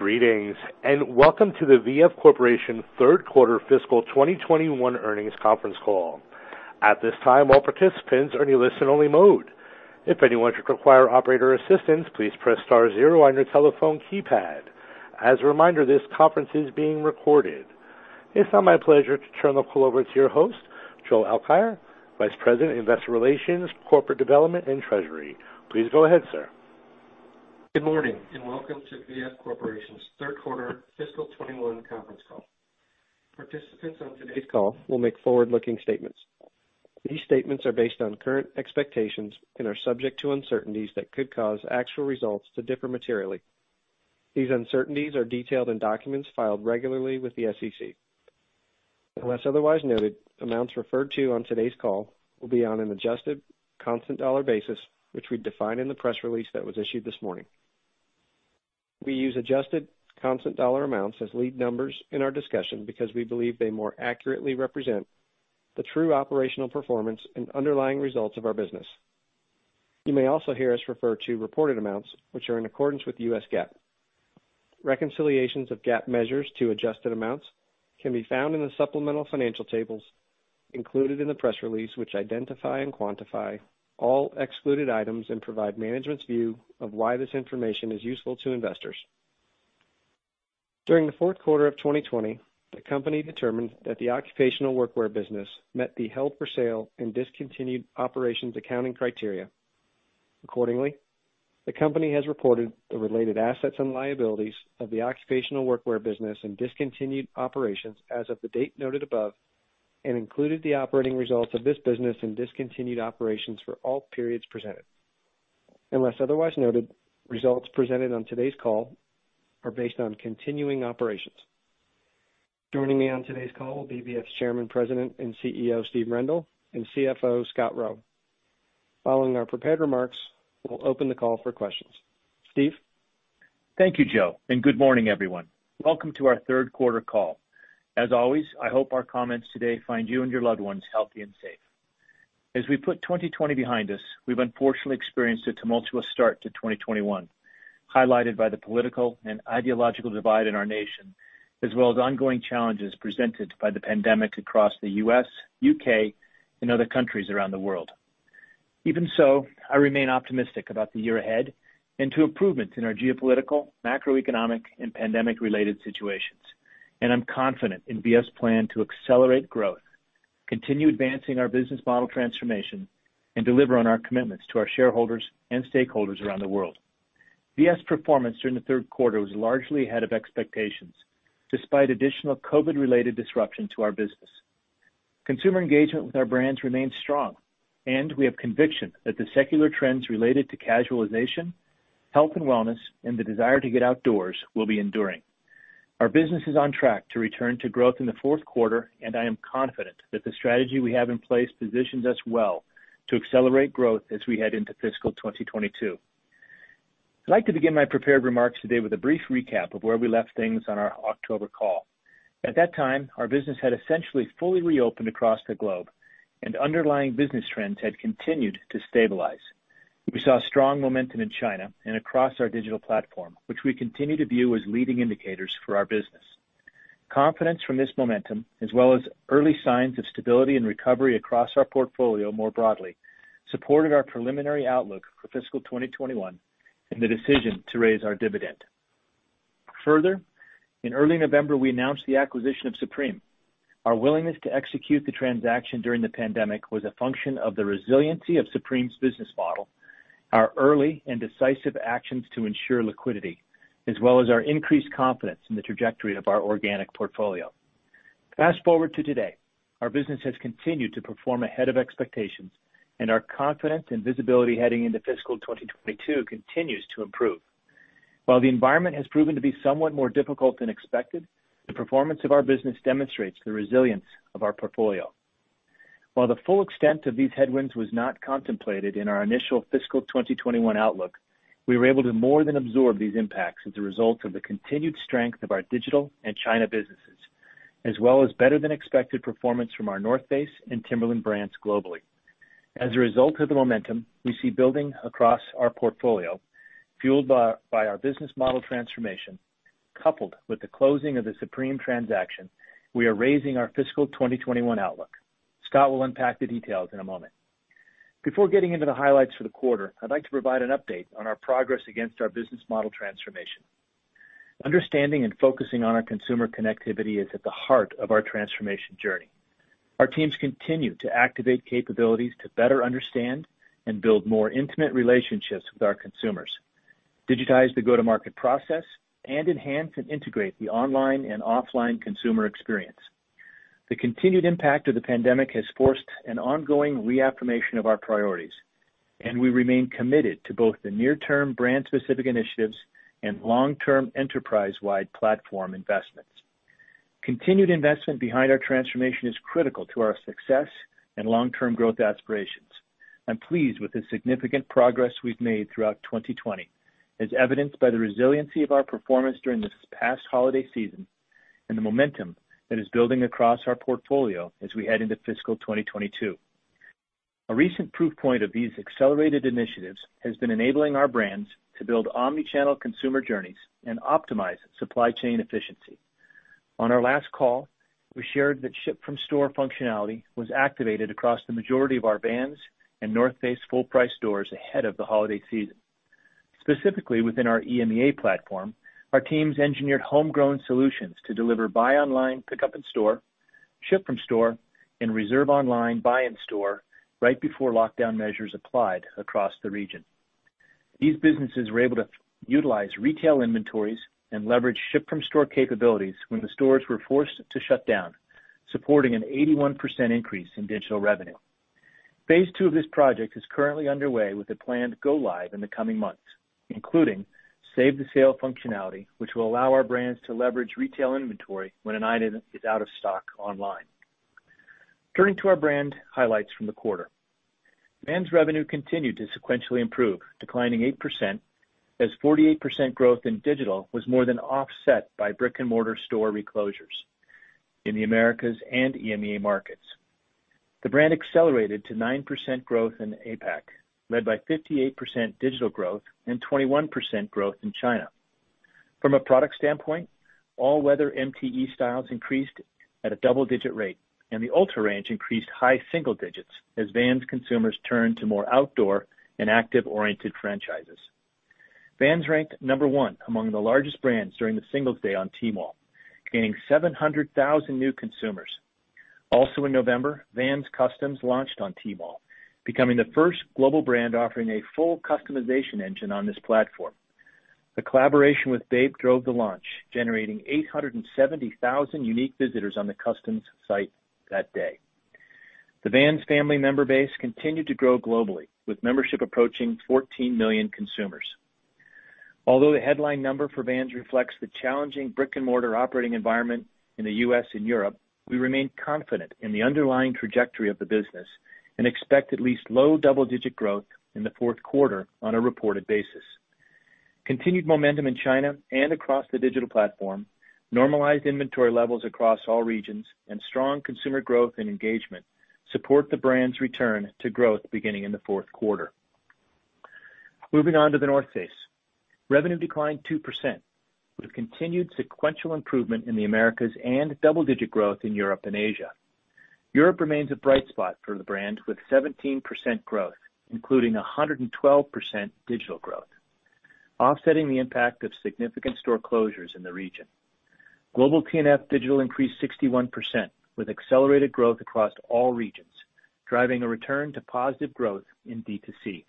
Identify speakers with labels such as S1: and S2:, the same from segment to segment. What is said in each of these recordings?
S1: Greetings, and welcome to the VF Corporation Third Quarter Fiscal 2021 Earnings Conference Call. At this time, all participants are on the listen-only mode. If anyone require operator assistance, please press star zero on your telephone keypad. As a reminder, this conference is being recorded. It's now my pleasure to turn the call over to your host, Joe Alkire, Vice President, Investor Relations, Corporate Development, and Treasury. Please go ahead, sir.
S2: Good morning, and welcome to VF Corporation's third quarter fiscal 2021 conference call. Participants on today's call will make forward-looking statements. These statements are based on current expectations and are subject to uncertainties that could cause actual results to differ materially. These uncertainties are detailed in documents filed regularly with the SEC. Unless otherwise noted, amounts referred to on today's call will be on an adjusted constant dollar basis, which we define in the press release that was issued this morning. We use adjusted constant dollar amounts as lead numbers in our discussion because we believe they more accurately represent the true operational performance and underlying results of our business. You may also hear us refer to reported amounts, which are in accordance with US GAAP. Reconciliations of GAAP measures to adjusted amounts can be found in the supplemental financial tables included in the press release, which identify and quantify all excluded items and provide management's view of why this information is useful to investors. During the fourth quarter of 2020, the company determined that the occupational workwear business met the held-for-sale and discontinued operations accounting criteria. Accordingly, the company has reported the related assets and liabilities of the occupational workwear business and discontinued operations as of the date noted above and included the operating results of this business and discontinued operations for all periods presented. Unless otherwise noted, results presented on today's call are based on continuing operations. Joining me on today's call will be VF's Chairman, President, and CEO, Steve Rendle, and CFO, Scott Roe. Following our prepared remarks, we'll open the call for questions. Steve?
S3: Thank you, Joe. Good morning, everyone. Welcome to our third quarter call. As always, I hope our comments today find you and your loved ones healthy and safe. As we put 2020 behind us, we've unfortunately experienced a tumultuous start to 2021, highlighted by the political and ideological divide in our nation, as well as ongoing challenges presented by the pandemic across the U.S., U.K., and other countries around the world. Even so, I remain optimistic about the year ahead and to improvements in our geopolitical, macroeconomic, and pandemic-related situations. I'm confident in VF's plan to accelerate growth, continue advancing our business model transformation, and deliver on our commitments to our shareholders and stakeholders around the world. VF's performance during the third quarter was largely ahead of expectations, despite additional COVID-related disruption to our business. Consumer engagement with our brands remains strong, and we have conviction that the secular trends related to casualization, health and wellness, and the desire to get outdoors will be enduring. Our business is on track to return to growth in the fourth quarter, and I am confident that the strategy we have in place positions us well to accelerate growth as we head into fiscal 2022. I'd like to begin my prepared remarks today with a brief recap of where we left things on our October call. At that time, our business had essentially fully reopened across the globe, and underlying business trends had continued to stabilize. We saw strong momentum in China and across our digital platform, which we continue to view as leading indicators for our business. Confidence from this momentum, as well as early signs of stability and recovery across our portfolio more broadly, supported our preliminary outlook for fiscal 2021 and the decision to raise our dividend. In early November, we announced the acquisition of Supreme. Our willingness to execute the transaction during the pandemic was a function of the resiliency of Supreme's business model, our early and decisive actions to ensure liquidity, as well as our increased confidence in the trajectory of our organic portfolio. Fast-forward to today, our business has continued to perform ahead of expectations, and our confidence and visibility heading into fiscal 2022 continues to improve. While the environment has proven to be somewhat more difficult than expected, the performance of our business demonstrates the resilience of our portfolio. While the full extent of these headwinds was not contemplated in our initial fiscal 2021 outlook, we were able to more than absorb these impacts as a result of the continued strength of our digital and China businesses, as well as better than expected performance from our The North Face and Timberland brands globally. As a result of the momentum we see building across our portfolio, fueled by our business model transformation, coupled with the closing of the Supreme transaction, we are raising our fiscal 2021 outlook. Scott will unpack the details in a moment. Before getting into the highlights for the quarter, I'd like to provide an update on our progress against our business model transformation. Understanding and focusing on our consumer connectivity is at the heart of our transformation journey. Our teams continue to activate capabilities to better understand and build more intimate relationships with our consumers, digitize the go-to-market process, and enhance and integrate the online and offline consumer experience. The continued impact of the pandemic has forced an ongoing reaffirmation of our priorities, and we remain committed to both the near-term brand-specific initiatives and long-term enterprise-wide platform investments. Continued investment behind our transformation is critical to our success and long-term growth aspirations. I'm pleased with the significant progress we've made throughout 2020, as evidenced by the resiliency of our performance during this past holiday season and the momentum that is building across our portfolio as we head into fiscal 2022. A recent proof point of these accelerated initiatives has been enabling our brands to build omni-channel consumer journeys and optimize supply chain efficiency. On our last call, we shared that ship from store functionality was activated across the majority of our Vans and North Face full price stores ahead of the holiday season. Specifically, within our EMEA platform, our teams engineered homegrown solutions to deliver buy online pickup in store, ship from store, and reserve online, buy in store right before lockdown measures applied across the region. These businesses were able to utilize retail inventories and leverage ship from store capabilities when the stores were forced to shut down, supporting an 81% increase in digital revenue. Phase II of this project is currently underway with a planned go live in the coming months, including save the sale functionality, which will allow our brands to leverage retail inventory when an item is out of stock online. Turning to our brand highlights from the quarter. Vans revenue continued to sequentially improve, declining 8% as 48% growth in digital was more than offset by brick and mortar store reclosures in the Americas and EMEA markets. The brand accelerated to 9% growth in APAC, led by 58% digital growth and 21% growth in China. From a product standpoint, all-weather MTE styles increased at a double-digit rate, and the UltraRange increased high single digits as Vans consumers turned to more outdoor and active-oriented franchises. Vans ranked number one among the largest brands during the Singles Day on Tmall, gaining 700,000 new consumers. Also in November, Vans Customs launched on Tmall, becoming the first global brand offering a full customization engine on this platform. The collaboration with BAPE drove the launch, generating 870,000 unique visitors on the customs site that day. The Vans Family member base continued to grow globally, with membership approaching 14 million consumers. Although the headline number for Vans reflects the challenging brick and mortar operating environment in the U.S. and Europe, we remain confident in the underlying trajectory of the business and expect at least low double-digit growth in the fourth quarter on a reported basis. Continued momentum in China and across the digital platform, normalized inventory levels across all regions, and strong consumer growth and engagement support the brand's return to growth beginning in the fourth quarter. Moving on to The North Face. Revenue declined 2% with continued sequential improvement in the Americas and double-digit growth in Europe and Asia. Europe remains a bright spot for the brand with 17% growth, including 112% digital growth, offsetting the impact of significant store closures in the region. Global TNF digital increased 61% with accelerated growth across all regions, driving a return to positive growth in D2C.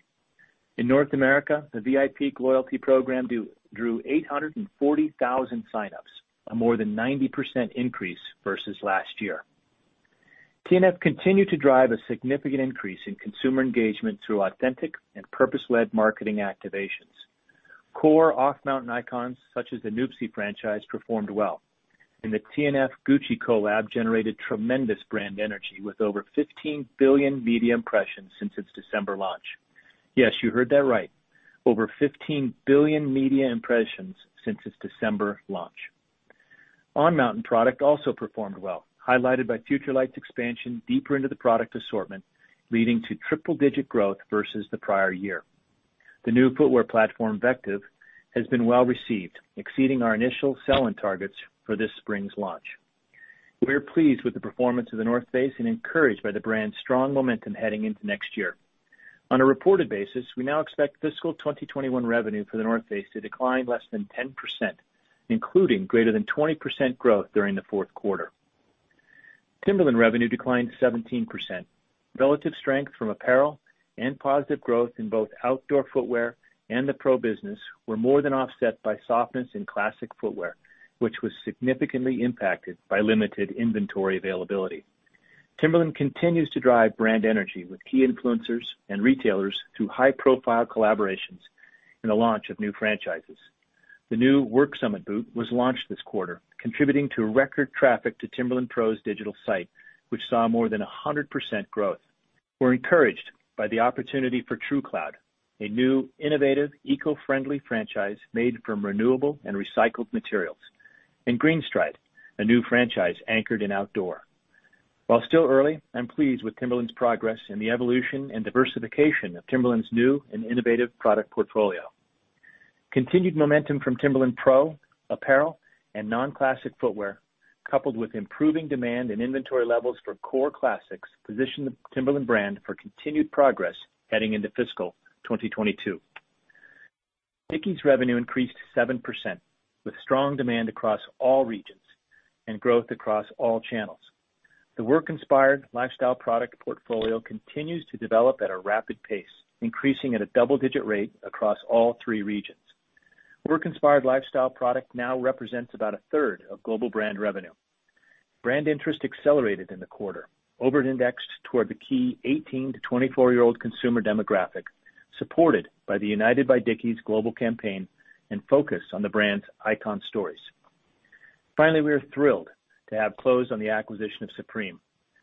S3: In North America, the VIPeak loyalty program drew 840,000 sign-ups, a more than 90% increase versus last year. TNF continued to drive a significant increase in consumer engagement through authentic and purpose-led marketing activations. Core off-mountain icons such as the Nuptse franchise performed well, and the TNF Gucci collab generated tremendous brand energy with over 15 billion media impressions since its December launch. Yes, you heard that right. Over 15 billion media impressions since its December launch. On-mountain product also performed well, highlighted by FUTURELIGHT's expansion deeper into the product assortment, leading to triple-digit growth versus the prior year. The new footwear platform, VECTIV, has been well received, exceeding our initial sell-in targets for this spring's launch. We are pleased with the performance of The North Face and encouraged by the brand's strong momentum heading into next year. On a reported basis, we now expect fiscal 2021 revenue for The North Face to decline less than 10%, including greater than 20% growth during the fourth quarter. Timberland revenue declined 17%. Relative strength from apparel and positive growth in both outdoor footwear and the Timberland PRO business were more than offset by softness in classic footwear, which was significantly impacted by limited inventory availability. Timberland continues to drive brand energy with key influencers and retailers through high-profile collaborations in the launch of new franchises. The new Work Summit boot was launched this quarter, contributing to record traffic to Timberland PRO's digital site, which saw more than 100% growth. We're encouraged by the opportunity for TrueCloud, a new innovative, eco-friendly franchise made from renewable and recycled materials, and GreenStride, a new franchise anchored in outdoor. While still early, I'm pleased with Timberland's progress in the evolution and diversification of Timberland's new and innovative product portfolio. Continued momentum from Timberland PRO, apparel, and non-classic footwear, coupled with improving demand and inventory levels for core classics, position the Timberland brand for continued progress heading into fiscal 2022. Dickies revenue increased 7%, with strong demand across all regions and growth across all channels. The work-inspired lifestyle product portfolio continues to develop at a rapid pace, increasing at a double-digit rate across all three regions. Work-inspired lifestyle product now represents about a third of global brand revenue. Brand interest accelerated in the quarter, over-indexed toward the key 18 to 24-year-old consumer demographic, supported by the United by Dickies global campaign and focus on the brand's icon stories. Finally, we are thrilled to have closed on the acquisition of Supreme.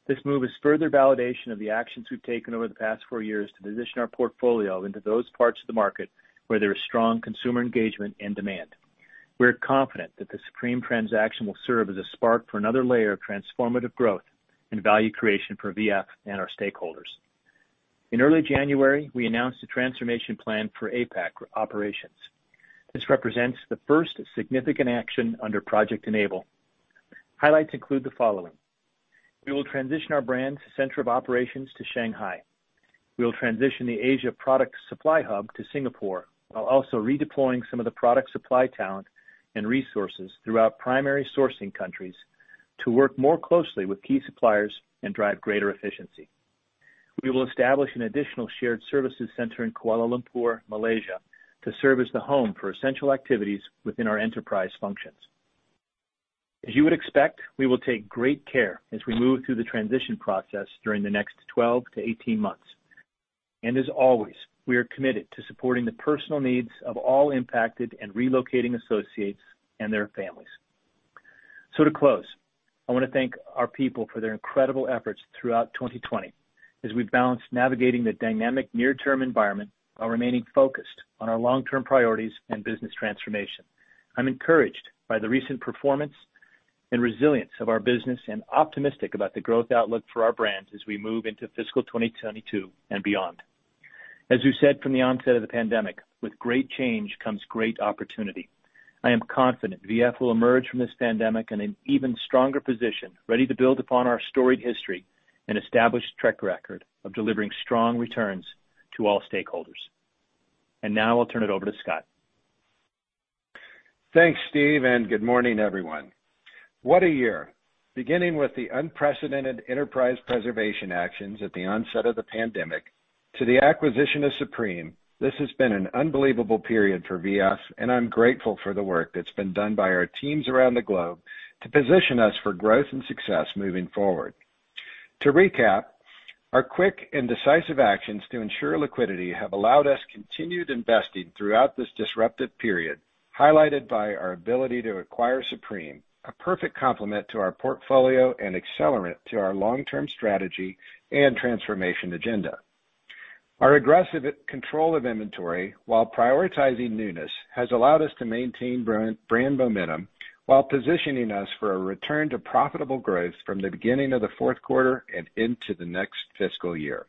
S3: This move is further validation of the actions we've taken over the past four years to position our portfolio into those parts of the market where there is strong consumer engagement and demand. We're confident that the Supreme transaction will serve as a spark for another layer of transformative growth and value creation for VF and our stakeholders. In early January, we announced a transformation plan for APAC operations. This represents the first significant action under Project Enable. Highlights include the following. We will transition our brand to center of operations to Shanghai. We'll transition the Asia product supply hub to Singapore, while also redeploying some of the product supply talent and resources throughout primary sourcing countries to work more closely with key suppliers and drive greater efficiency. We will establish an additional shared services center in Kuala Lumpur, Malaysia, to serve as the home for essential activities within our enterprise functions. As you would expect, we will take great care as we move through the transition process during the next 12-18 months. As always, we are committed to supporting the personal needs of all impacted and relocating associates and their families. To close, I want to thank our people for their incredible efforts throughout 2020 as we balanced navigating the dynamic near-term environment while remaining focused on our long-term priorities and business transformation. I'm encouraged by the recent performance and resilience of our business and optimistic about the growth outlook for our brands as we move into fiscal 2022 and beyond. As we said from the onset of the pandemic, with great change comes great opportunity. I am confident VF will emerge from this pandemic in an even stronger position, ready to build upon our storied history and established track record of delivering strong returns to all stakeholders. Now I'll turn it over to Scott.
S4: Thanks, Steve, and good morning, everyone. What a year. Beginning with the unprecedented enterprise preservation actions at the onset of the pandemic to the acquisition of Supreme, this has been an unbelievable period for VF, and I'm grateful for the work that's been done by our teams around the globe to position us for growth and success moving forward. To recap, our quick and decisive actions to ensure liquidity have allowed us continued investing throughout this disruptive period, highlighted by our ability to acquire Supreme, a perfect complement to our portfolio and accelerant to our long-term strategy and transformation agenda. Our aggressive control of inventory while prioritizing newness has allowed us to maintain brand momentum while positioning us for a return to profitable growth from the beginning of the fourth quarter and into the next fiscal year.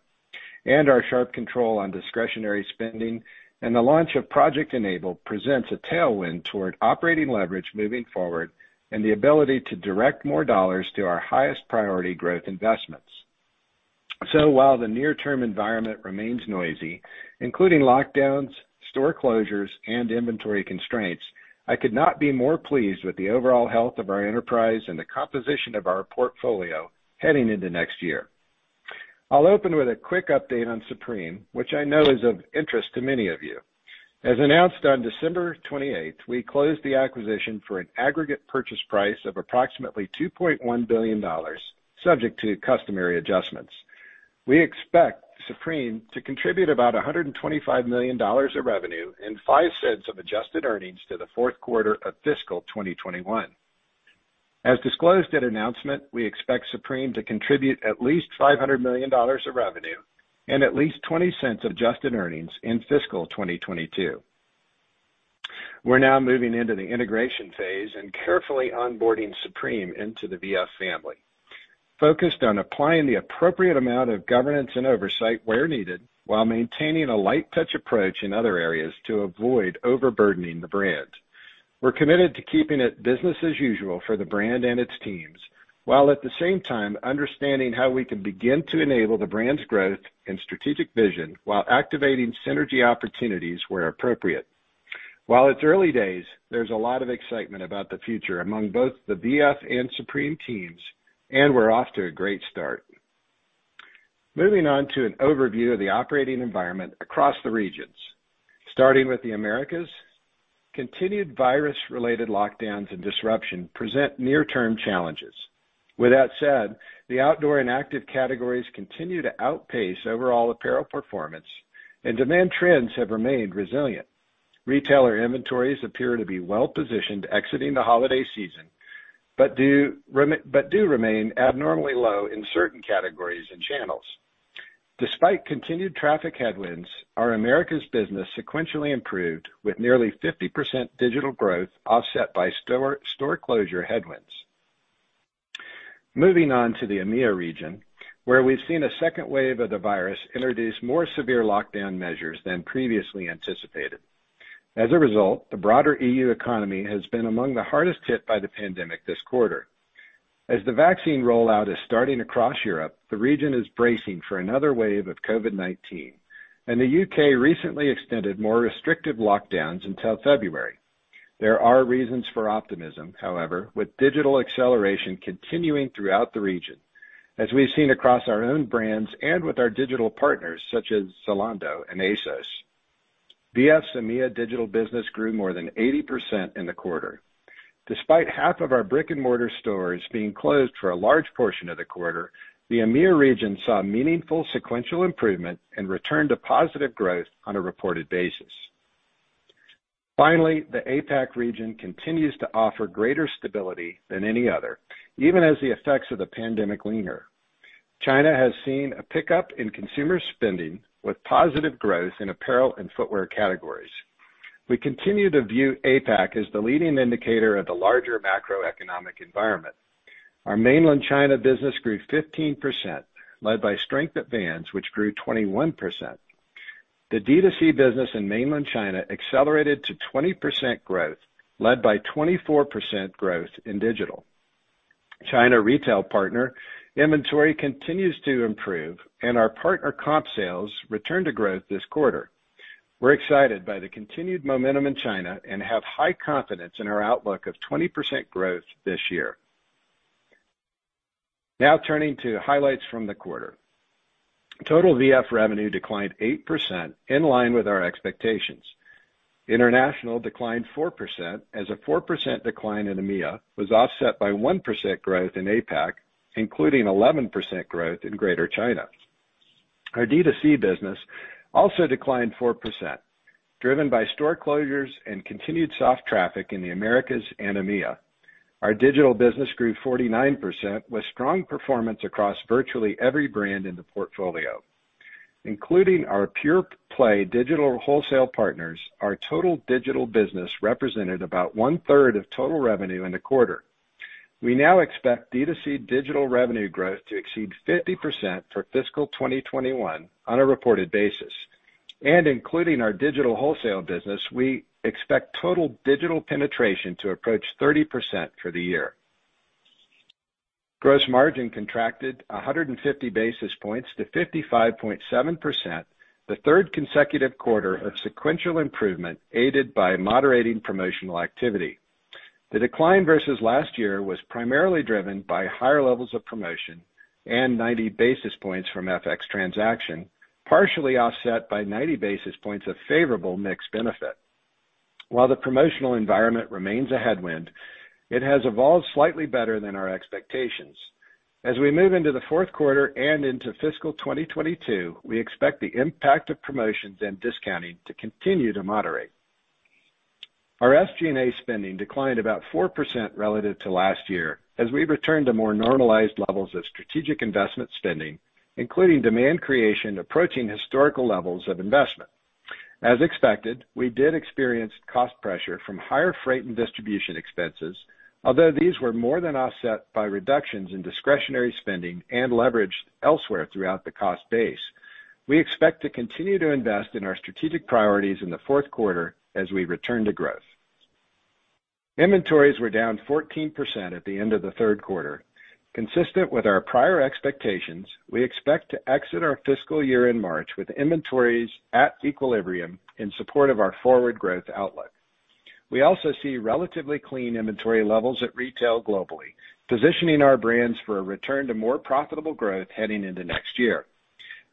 S4: Our sharp control on discretionary spending and the launch of Project Enable presents a tailwind toward operating leverage moving forward and the ability to direct more dollars to our highest priority growth investments. While the near-term environment remains noisy, including lockdowns, store closures, and inventory constraints, I could not be more pleased with the overall health of our enterprise and the composition of our portfolio heading into next year. I'll open with a quick update on Supreme, which I know is of interest to many of you. As announced on December 28th, we closed the acquisition for an aggregate purchase price of approximately $2.1 billion, subject to customary adjustments. We expect Supreme to contribute about $125 million of revenue and $0.05 of adjusted earnings to the fourth quarter of fiscal 2021. As disclosed at announcement, we expect Supreme to contribute at least $500 million of revenue and at least $0.20 of adjusted earnings in fiscal 2022. We're now moving into the integration phase and carefully onboarding Supreme into the VF family, focused on applying the appropriate amount of governance and oversight where needed while maintaining a light touch approach in other areas to avoid overburdening the brand. We're committed to keeping it business as usual for the brand and its teams, while at the same time understanding how we can begin to enable the brand's growth and strategic vision while activating synergy opportunities where appropriate. While it's early days, there's a lot of excitement about the future among both the VF and Supreme teams, and we're off to a great start. Moving on to an overview of the operating environment across the regions. Starting with the Americas, continued virus-related lockdowns and disruption present near-term challenges. With that said, the outdoor and active categories continue to outpace overall apparel performance, and demand trends have remained resilient. Retailer inventories appear to be well-positioned exiting the holiday season, but do remain abnormally low in certain categories and channels. Despite continued traffic headwinds, our Americas business sequentially improved with nearly 50% digital growth offset by store closure headwinds. Moving on to the EMEA region, where we've seen a second wave of the virus introduce more severe lockdown measures than previously anticipated. As a result, the broader EU economy has been among the hardest hit by the pandemic this quarter. As the vaccine rollout is starting across Europe, the region is bracing for another wave of COVID-19, and the U.K. recently extended more restrictive lockdowns until February. There are reasons for optimism, however, with digital acceleration continuing throughout the region, as we've seen across our own brands and with our digital partners such as Zalando and ASOS. VF's EMEA digital business grew more than 80% in the quarter. Despite half of our brick-and-mortar stores being closed for a large portion of the quarter, the EMEA region saw meaningful sequential improvement and returned to positive growth on a reported basis. Finally, the APAC region continues to offer greater stability than any other, even as the effects of the pandemic linger. China has seen a pickup in consumer spending with positive growth in apparel and footwear categories. We continue to view APAC as the leading indicator of the larger macroeconomic environment. Our mainland China business grew 15%, led by strength at Vans, which grew 21%. The D2C business in mainland China accelerated to 20% growth, led by 24% growth in digital. China retail partner inventory continues to improve, and our partner comp sales returned to growth this quarter. We're excited by the continued momentum in China and have high confidence in our outlook of 20% growth this year. Now turning to highlights from the quarter. Total VF revenue declined 8%, in line with our expectations. International declined 4%, as a 4% decline in EMEA was offset by 1% growth in APAC, including 11% growth in Greater China. Our D2C business also declined 4%, driven by store closures and continued soft traffic in the Americas and EMEA. Our digital business grew 49%, with strong performance across virtually every brand in the portfolio. Including our pure-play digital wholesale partners, our total digital business represented about one-third of total revenue in the quarter. We now expect D2C digital revenue growth to exceed 50% for fiscal 2021 on a reported basis. Including our digital wholesale business, we expect total digital penetration to approach 30% for the year. Gross margin contracted 150 basis points to 55.7%, the third consecutive quarter of sequential improvement aided by moderating promotional activity. The decline versus last year was primarily driven by higher levels of promotion and 90 basis points from FX transaction, partially offset by 90 basis points of favorable mix benefit. While the promotional environment remains a headwind, it has evolved slightly better than our expectations. As we move into the fourth quarter and into fiscal 2022, we expect the impact of promotions and discounting to continue to moderate. Our SG&A spending declined about 4% relative to last year as we return to more normalized levels of strategic investment spending, including demand creation approaching historical levels of investment. As expected, we did experience cost pressure from higher freight and distribution expenses, although these were more than offset by reductions in discretionary spending and leverage elsewhere throughout the cost base. We expect to continue to invest in our strategic priorities in the fourth quarter as we return to growth. Inventories were down 14% at the end of the third quarter. Consistent with our prior expectations, we expect to exit our fiscal year in March with inventories at equilibrium in support of our forward growth outlook. We also see relatively clean inventory levels at retail globally, positioning our brands for a return to more profitable growth heading into next year.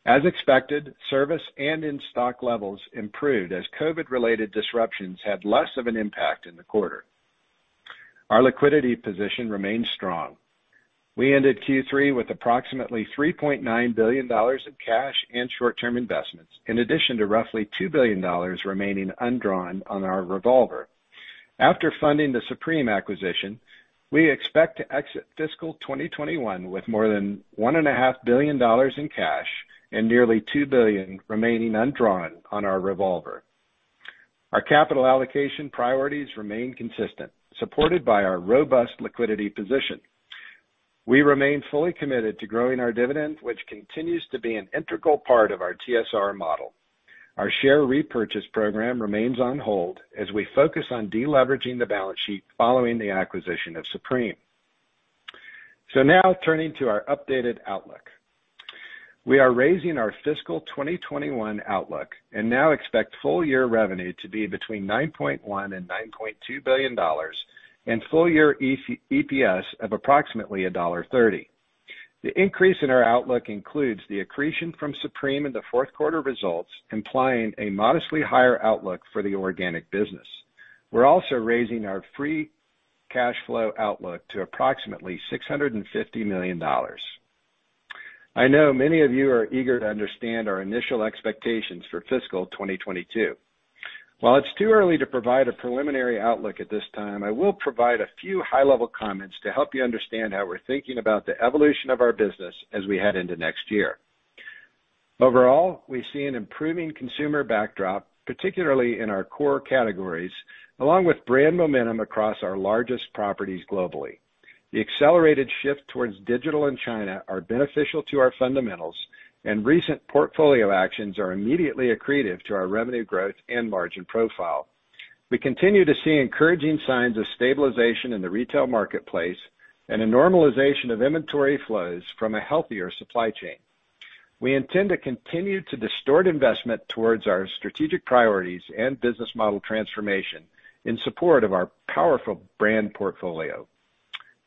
S4: As expected, service and in-stock levels improved as COVID-related disruptions had less of an impact in the quarter. Our liquidity position remains strong. We ended Q3 with approximately $3.9 billion of cash and short-term investments, in addition to roughly $2 billion remaining undrawn on our revolver. After funding the Supreme acquisition, we expect to exit fiscal 2021 with more than $1.5 billion in cash and nearly $2 billion remaining undrawn on our revolver. Our capital allocation priorities remain consistent, supported by our robust liquidity position. We remain fully committed to growing our dividend, which continues to be an integral part of our TSR model. Our share repurchase program remains on hold as we focus on de-leveraging the balance sheet following the acquisition of Supreme. Now turning to our updated outlook. We are raising our fiscal 2021 outlook and now expect full-year revenue to be between $9.1 billion and $9.2 billion and full-year EPS of approximately $1.30. The increase in our outlook includes the accretion from Supreme in the fourth quarter results, implying a modestly higher outlook for the organic business. We're also raising our free cash flow outlook to approximately $650 million. I know many of you are eager to understand our initial expectations for fiscal 2022. While it's too early to provide a preliminary outlook at this time, I will provide a few high-level comments to help you understand how we're thinking about the evolution of our business as we head into next year. Overall, we see an improving consumer backdrop, particularly in our core categories, along with brand momentum across our largest properties globally. The accelerated shift towards digital and China are beneficial to our fundamentals, and recent portfolio actions are immediately accretive to our revenue growth and margin profile. We continue to see encouraging signs of stabilization in the retail marketplace and a normalization of inventory flows from a healthier supply chain. We intend to continue to distort investment towards our strategic priorities and business model transformation in support of our powerful brand portfolio.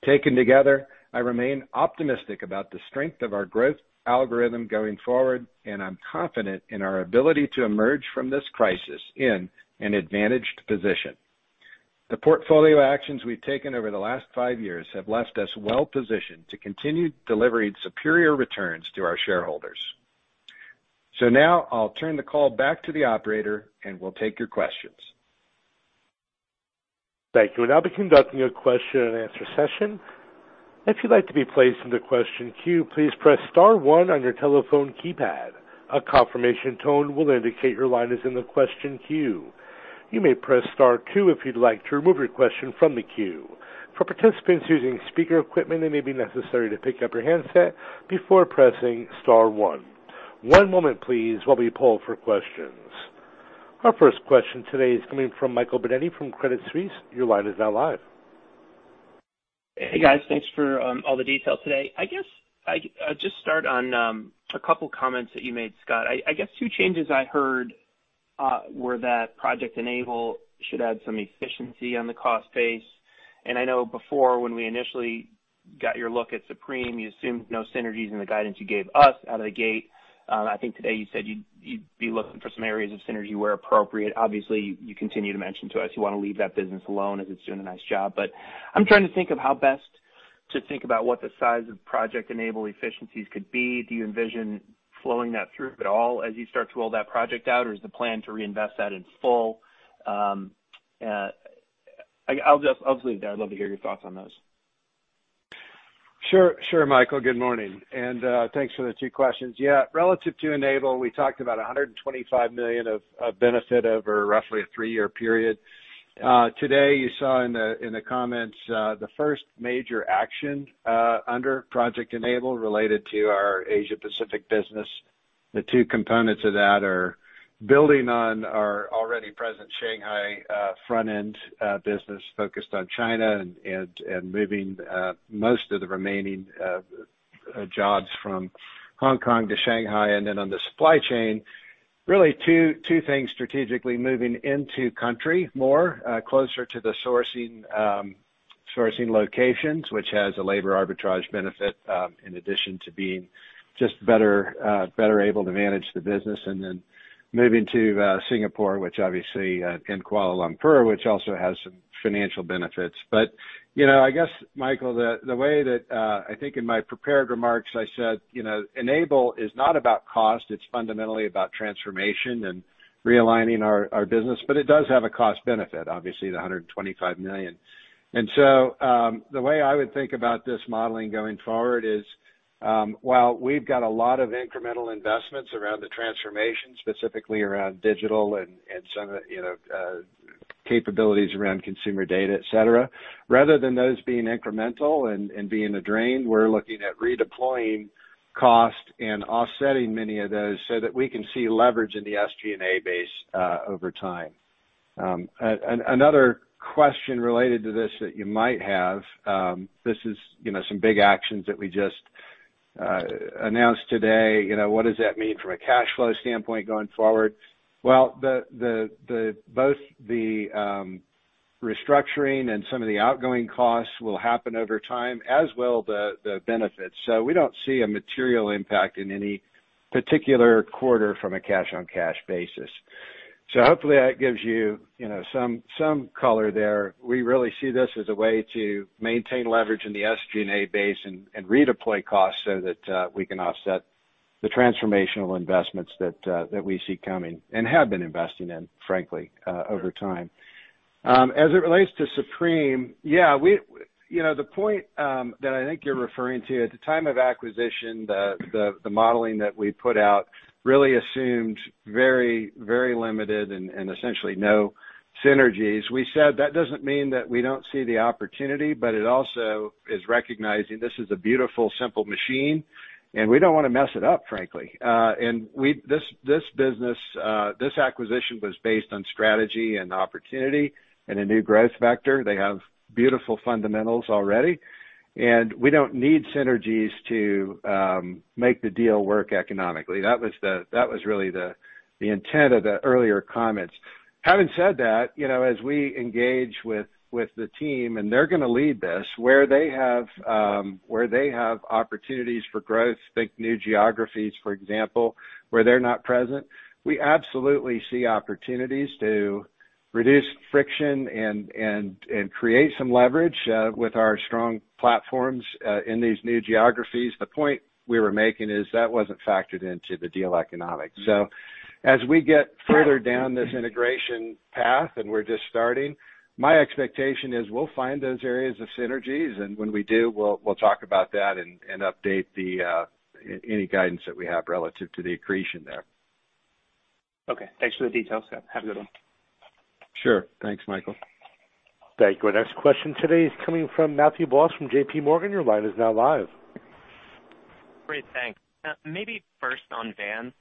S4: Taken together, I remain optimistic about the strength of our growth algorithm going forward, and I'm confident in our ability to emerge from this crisis in an advantaged position. The portfolio actions we've taken over the last five years have left us well positioned to continue delivering superior returns to our shareholders. Now I'll turn the call back to the operator and we'll take your questions.
S1: Thank you. We'll now be conducting a question and answer session. If you'd like to be placed into question queue, please press star one on your telephone keypad. A confirmation tone will indicate your line is in the question queue. You may press star two if you'd like to remove your question from the queue. For participants using speaker equipment, it may be necessary to pick up your handset before pressing star one. One moment please, while we poll for questions. Our first question today is coming from Michael Binetti from Credit Suisse. Your line is now live.
S5: Hey, guys. Thanks for all the details today. I guess I just start on a couple of comments that you made, Scott. I guess two changes I heard were that Project Enable should add some efficiency on the cost base. I know before when we initially got your look at Supreme, you assumed no synergies in the guidance you gave us out of the gate. I think today you said you'd be looking for some areas of synergy where appropriate. Obviously, you continue to mention to us you want to leave that business alone as it's doing a nice job. I'm trying to think of how best to think about what the size of Project Enable efficiencies could be. Do you envision flowing that through at all as you start to roll that project out? Is the plan to reinvest that in full? I'll just leave it there. I'd love to hear your thoughts on those.
S4: Sure, Michael. Good morning, and thanks for the two questions. Yeah, relative to Enable, we talked about $125 million of benefit over roughly a three-year period. Today, you saw in the comments the first major action under Project Enable related to our Asia Pacific business. The two components of that are building on our already present Shanghai front-end business focused on China and moving most of the remaining jobs from Hong Kong to Shanghai. On the supply chain, really two things strategically moving into country, more closer to the sourcing locations, which has a labor arbitrage benefit, in addition to being just better able to manage the business and then moving to Singapore, which obviously in Kuala Lumpur, which also has some financial benefits. I guess, Michael, the way that I think in my prepared remarks, I said, Enable is not about cost. It's fundamentally about transformation and realigning our business. It does have a cost benefit, obviously, the $125 million. The way I would think about this modeling going forward is while we've got a lot of incremental investments around the transformation, specifically around digital and some of the capabilities around consumer data, et cetera, rather than those being incremental and being a drain, we're looking at redeploying cost and offsetting many of those so that we can see leverage in the SG&A base over time. Another question related to this that you might have, this is some big actions that we just announced today. What does that mean from a cash flow standpoint going forward? Both the restructuring and some of the outgoing costs will happen over time as well, the benefits. We don't see a material impact in any particular quarter from a cash-on-cash basis. Hopefully that gives you some color there. We really see this as a way to maintain leverage in the SG&A base and redeploy costs so that we can offset the transformational investments that we see coming and have been investing in, frankly, over time. As it relates to Supreme, the point that I think you're referring to at the time of acquisition, the modeling that we put out really assumed very limited and essentially no synergies. We said that doesn't mean that we don't see the opportunity, but it also is recognizing this is a beautiful, simple machine and we don't want to mess it up, frankly. This acquisition was based on strategy and opportunity and a new growth vector. They have beautiful fundamentals already, we don't need synergies to make the deal work economically. That was really the intent of the earlier comments. Having said that, as we engage with the team, and they're going to lead this, where they have opportunities for growth, think new geographies, for example, where they're not present. We absolutely see opportunities to reduce friction and create some leverage with our strong platforms in these new geographies. The point we were making is that wasn't factored into the deal economics. As we get further down this integration path, and we're just starting, my expectation is we'll find those areas of synergies, and when we do, we'll talk about that and update any guidance that we have relative to the accretion there.
S5: Okay. Thanks for the details, Scott. Have a good one.
S4: Sure. Thanks, Michael.
S1: Thank you. Our next question today is coming from Matthew Boss from JPMorgan. Your line is now live.
S6: Great. Thanks. Maybe first on Vans.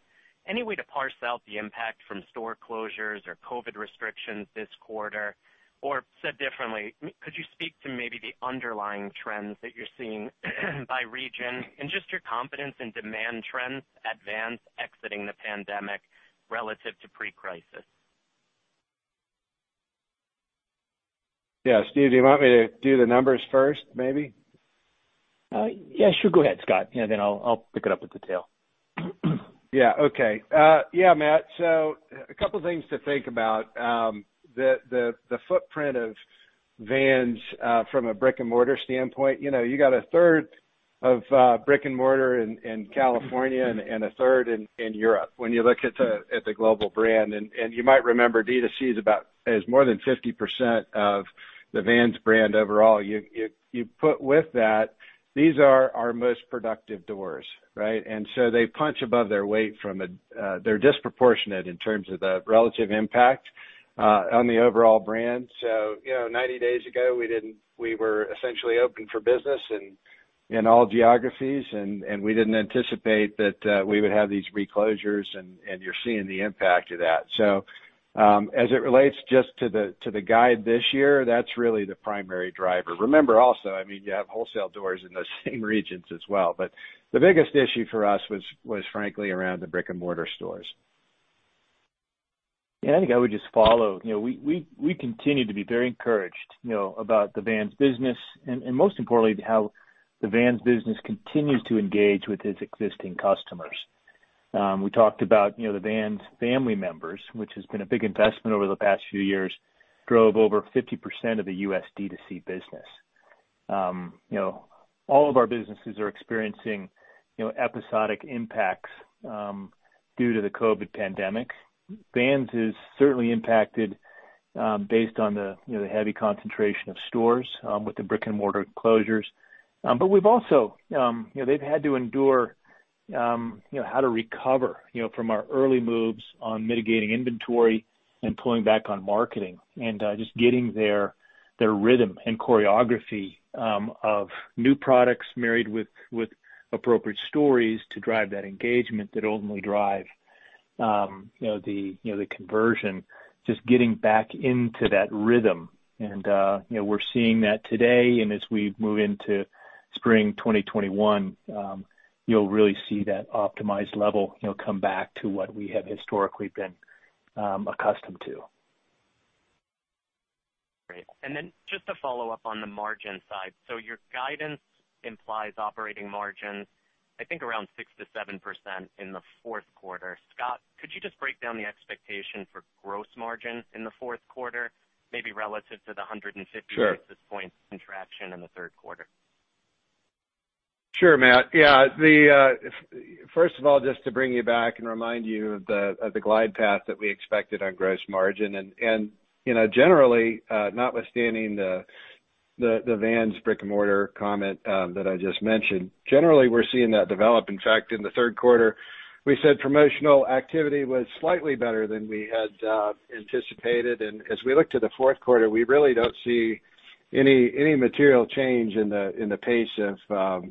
S6: Any way to parse out the impact from store closures or COVID restrictions this quarter? Said differently, could you speak to maybe the underlying trends that you're seeing by region and just your confidence in demand trends at Vans exiting the pandemic relative to pre-crisis?
S4: Yeah. Steve, do you want me to do the numbers first, maybe?
S3: Yeah, sure. Go ahead, Scott, and then I'll pick it up with detail.
S4: Yeah. Okay. Yeah, Matt. A couple of things to think about. The footprint of Vans from a brick and mortar standpoint, you got a third of brick-and-mortar in California and a third in Europe when you look at the global brand, and you might remember D2C is more than 50% of the Vans brand overall. You put with that, these are our most productive doors, right? They punch above their weight. They're disproportionate in terms of the relative impact on the overall brand. 90 days ago, we were essentially open for business in all geographies, and we didn't anticipate that we would have these reclosures, and you're seeing the impact of that. As it relates just to the guide this year, that's really the primary driver. Remember also, you have wholesale doors in those same regions as well. The biggest issue for us was frankly, around the brick-and-mortar stores.
S3: Yeah. I think I would just follow. We continue to be very encouraged about the Vans business and most importantly, how the Vans business continues to engage with its existing customers. We talked about the Vans Family members, which has been a big investment over the past few years, drove over 50% of the U.S. D2C business. All of our businesses are experiencing episodic impacts due to the COVID pandemic. Vans is certainly impacted based on the heavy concentration of stores with the brick-and-mortar closures. They've had to endure how to recover from our early moves on mitigating inventory and pulling back on marketing, and just getting their rhythm and choreography of new products married with appropriate stories to drive that engagement that ultimately drive the conversion, just getting back into that rhythm. We're seeing that today, and as we move into spring 2021, you'll really see that optimized level come back to what we have historically been accustomed to.
S6: Great. Then just to follow up on the margin side. Your guidance implies operating margin, I think, around 6%-7% in the fourth quarter. Scott, could you just break down the expectation for gross margin in the fourth quarter, maybe relative to the 150-
S4: Sure
S6: ...basis points contraction in the third quarter?
S4: Sure, Matt. Yeah. First of all, just to bring you back and remind you of the glide path that we expected on gross margin. Generally, notwithstanding the Vans brick-and-mortar comment that I just mentioned, generally, we're seeing that develop. In fact, in the third quarter, we said promotional activity was slightly better than we had anticipated. As we look to the fourth quarter, we really don't see any material change in the pace of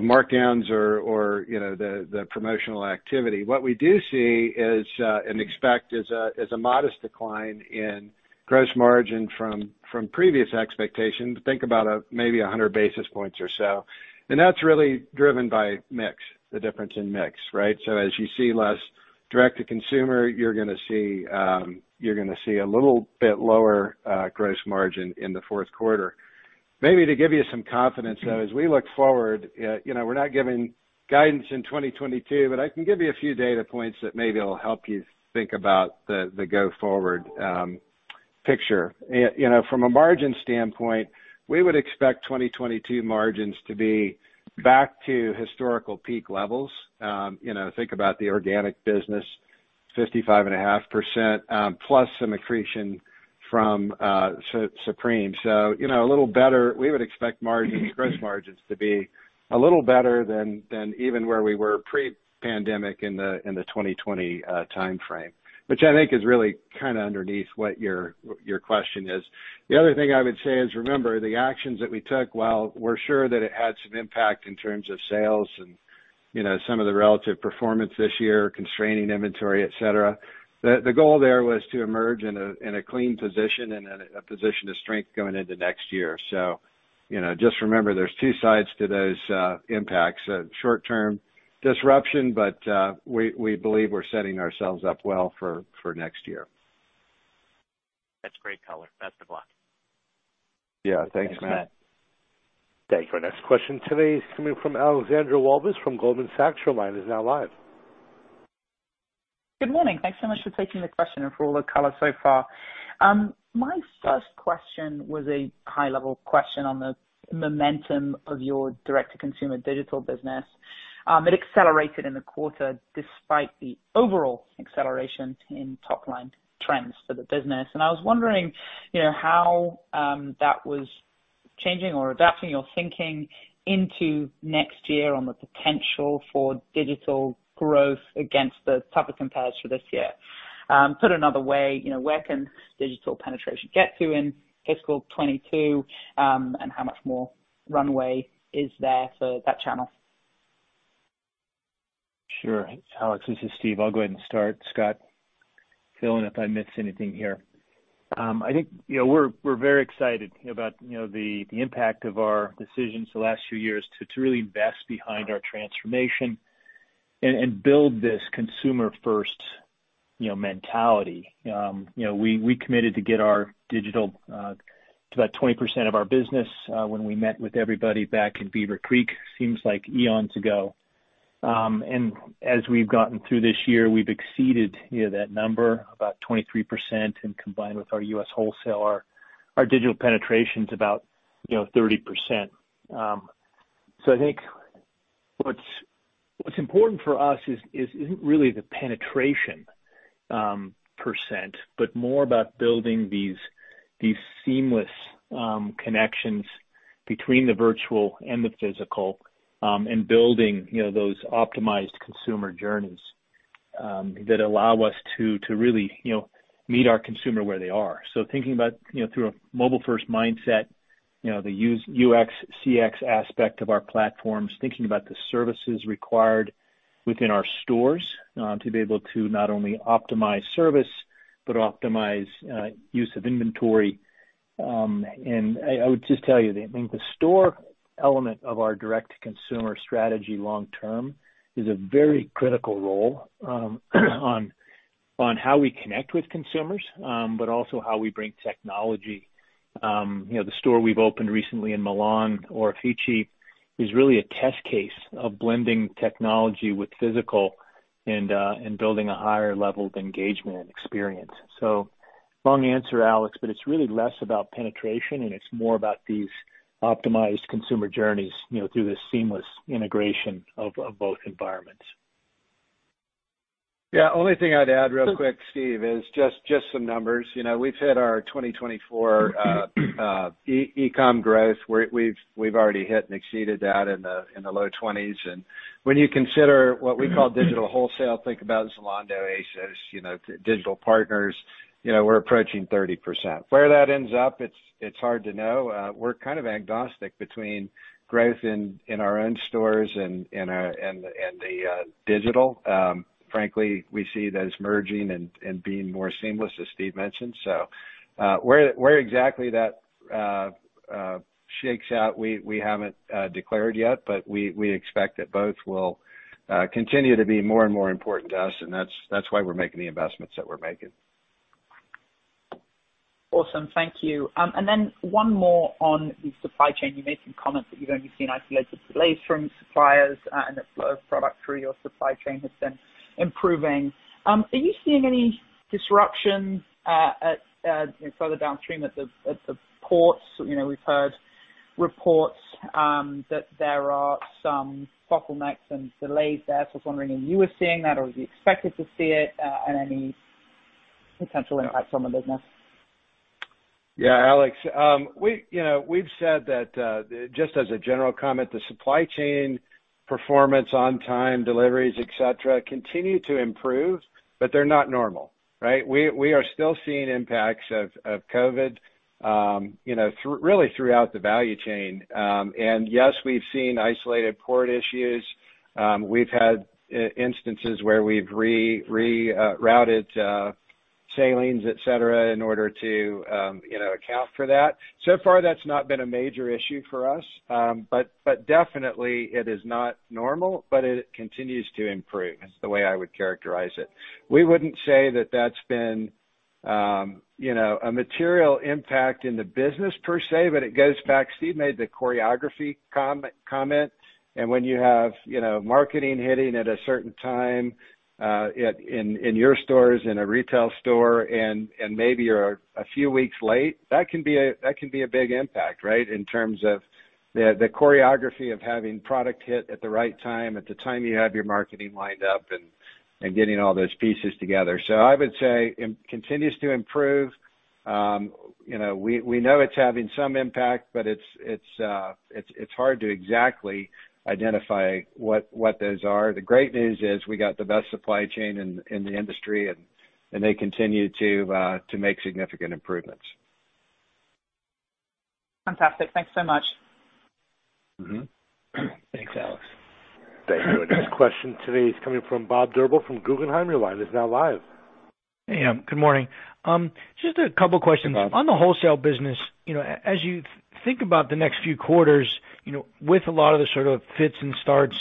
S4: markdowns or the promotional activity. What we do see and expect is a modest decline in gross margin from previous expectations. Think about maybe 100 basis points or so. That's really driven by mix, the difference in mix, right? As you see less direct-to-consumer, you're gonna see a little bit lower gross margin in the fourth quarter. Maybe to give you some confidence, though, as we look forward, we're not giving guidance in 2022, but I can give you a few data points that maybe will help you think about the go forward picture. From a margin standpoint, we would expect 2022 margins to be back to historical peak levels. Think about the organic business, 55.5%, plus some accretion from Supreme. A little better. We would expect margins, gross margins to be a little better than even where we were pre-pandemic in the 2020 timeframe, which I think is really underneath what your question is. The other thing I would say is, remember, the actions that we took, while we're sure that it had some impact in terms of sales and some of the relative performance this year, constraining inventory, et cetera, the goal there was to emerge in a clean position and in a position of strength going into next year. Just remember there's two sides to those impacts, short-term disruption, but we believe we're setting ourselves up well for next year.
S6: That's great color. Best of luck.
S4: Yeah. Thanks, Matt.
S3: Thanks, Matt.
S1: Thank you. Our next question today is coming from Alexandra Walvis from Goldman Sachs.
S7: Good morning. Thanks so much for taking the question and for all the color so far. My first question was a high-level question on the momentum of your direct-to-consumer digital business. It accelerated in the quarter despite the overall acceleration in top-line trends for the business. I was wondering how that was changing or adapting your thinking into next year on the potential for digital growth against the toughest compares for this year. Put another way, where can digital penetration get to in fiscal 2022, and how much more runway is there for that channel?
S3: Sure. Alex, this is Steve. I'll go ahead and start. Scott, fill in if I miss anything here. I think we're very excited about the impact of our decisions the last few years to really invest behind our transformation and build this consumer-first mentality. We committed to get our digital to about 20% of our business when we met with everybody back in Beaver Creek, seems like eons ago. As we've gotten through this year, we've exceeded that number, about 23%, and combined with our U.S. wholesale, our digital penetration's about 30%. I think what's important for us isn't really the penetration percent, but more about building these seamless connections between the virtual and the physical, and building those optimized consumer journeys that allow us to really meet our consumer where they are. Thinking about through a mobile-first mindset, the UX, CX aspect of our platforms, thinking about the services required within our stores to be able to not only optimize service but optimize use of inventory. I would just tell you that I think the store element of our direct-to-consumer strategy long term is a very critical role on how we connect with consumers, but also how we bring technology. The store we've opened recently in Milan, Orefici, is really a test case of blending technology with physical and building a higher level of engagement and experience. Long answer, Alex, but it's really less about penetration and it's more about these optimized consumer journeys through the seamless integration of both environments.
S4: Only thing I'd add real quick, Steve, is just some numbers. We've hit our 2024 e-com growth. We've already hit and exceeded that in the low 20s. When you consider what we call digital wholesale, think about Zalando, ASOS, digital partners, we're approaching 30%. Where that ends up, it's hard to know. We're kind of agnostic between growth in our own stores and the digital. Frankly, we see those merging and being more seamless, as Steve mentioned. Where exactly that shakes out, we haven't declared yet, but we expect that both will continue to be more and more important to us, and that's why we're making the investments that we're making.
S7: Awesome. Thank you. One more on the supply chain. You made some comments that you've only seen isolated delays from suppliers, and the flow of product through your supply chain has been improving. Are you seeing any disruption further downstream at the ports? We've heard reports that there are some bottlenecks and delays there. I was wondering if you were seeing that or if you expected to see it, and any potential impacts on the business.
S4: Yeah, Alex. We've said that, just as a general comment, the supply chain performance on time deliveries, et cetera, continue to improve, but they're not normal. Right? We are still seeing impacts of COVID really throughout the value chain. Yes, we've seen isolated port issues. We've had instances where we've rerouted sailings, et cetera, in order to account for that. So far, that's not been a major issue for us, but definitely it is not normal, but it continues to improve. That's the way I would characterize it. We wouldn't say that that's been a material impact in the business per se, but it goes back, Steve made the choreography comment. When you have marketing hitting at a certain time in your stores, in a retail store, and maybe you're a few weeks late, that can be a big impact, right? In terms of the choreography of having product hit at the right time, at the time you have your marketing lined up, and getting all those pieces together. I would say it continues to improve. We know it's having some impact, but it's hard to exactly identify what those are. The great news is we got the best supply chain in the industry, and they continue to make significant improvements.
S7: Fantastic. Thanks so much.
S3: Mm-hmm. Thanks, Alex.
S1: Thank you. Our next question today is coming from Bob Drbul from Guggenheim.
S8: Hey. Good morning. Just a couple questions.
S4: Bob.
S8: On the wholesale business, as you think about the next few quarters with a lot of the sort of fits and starts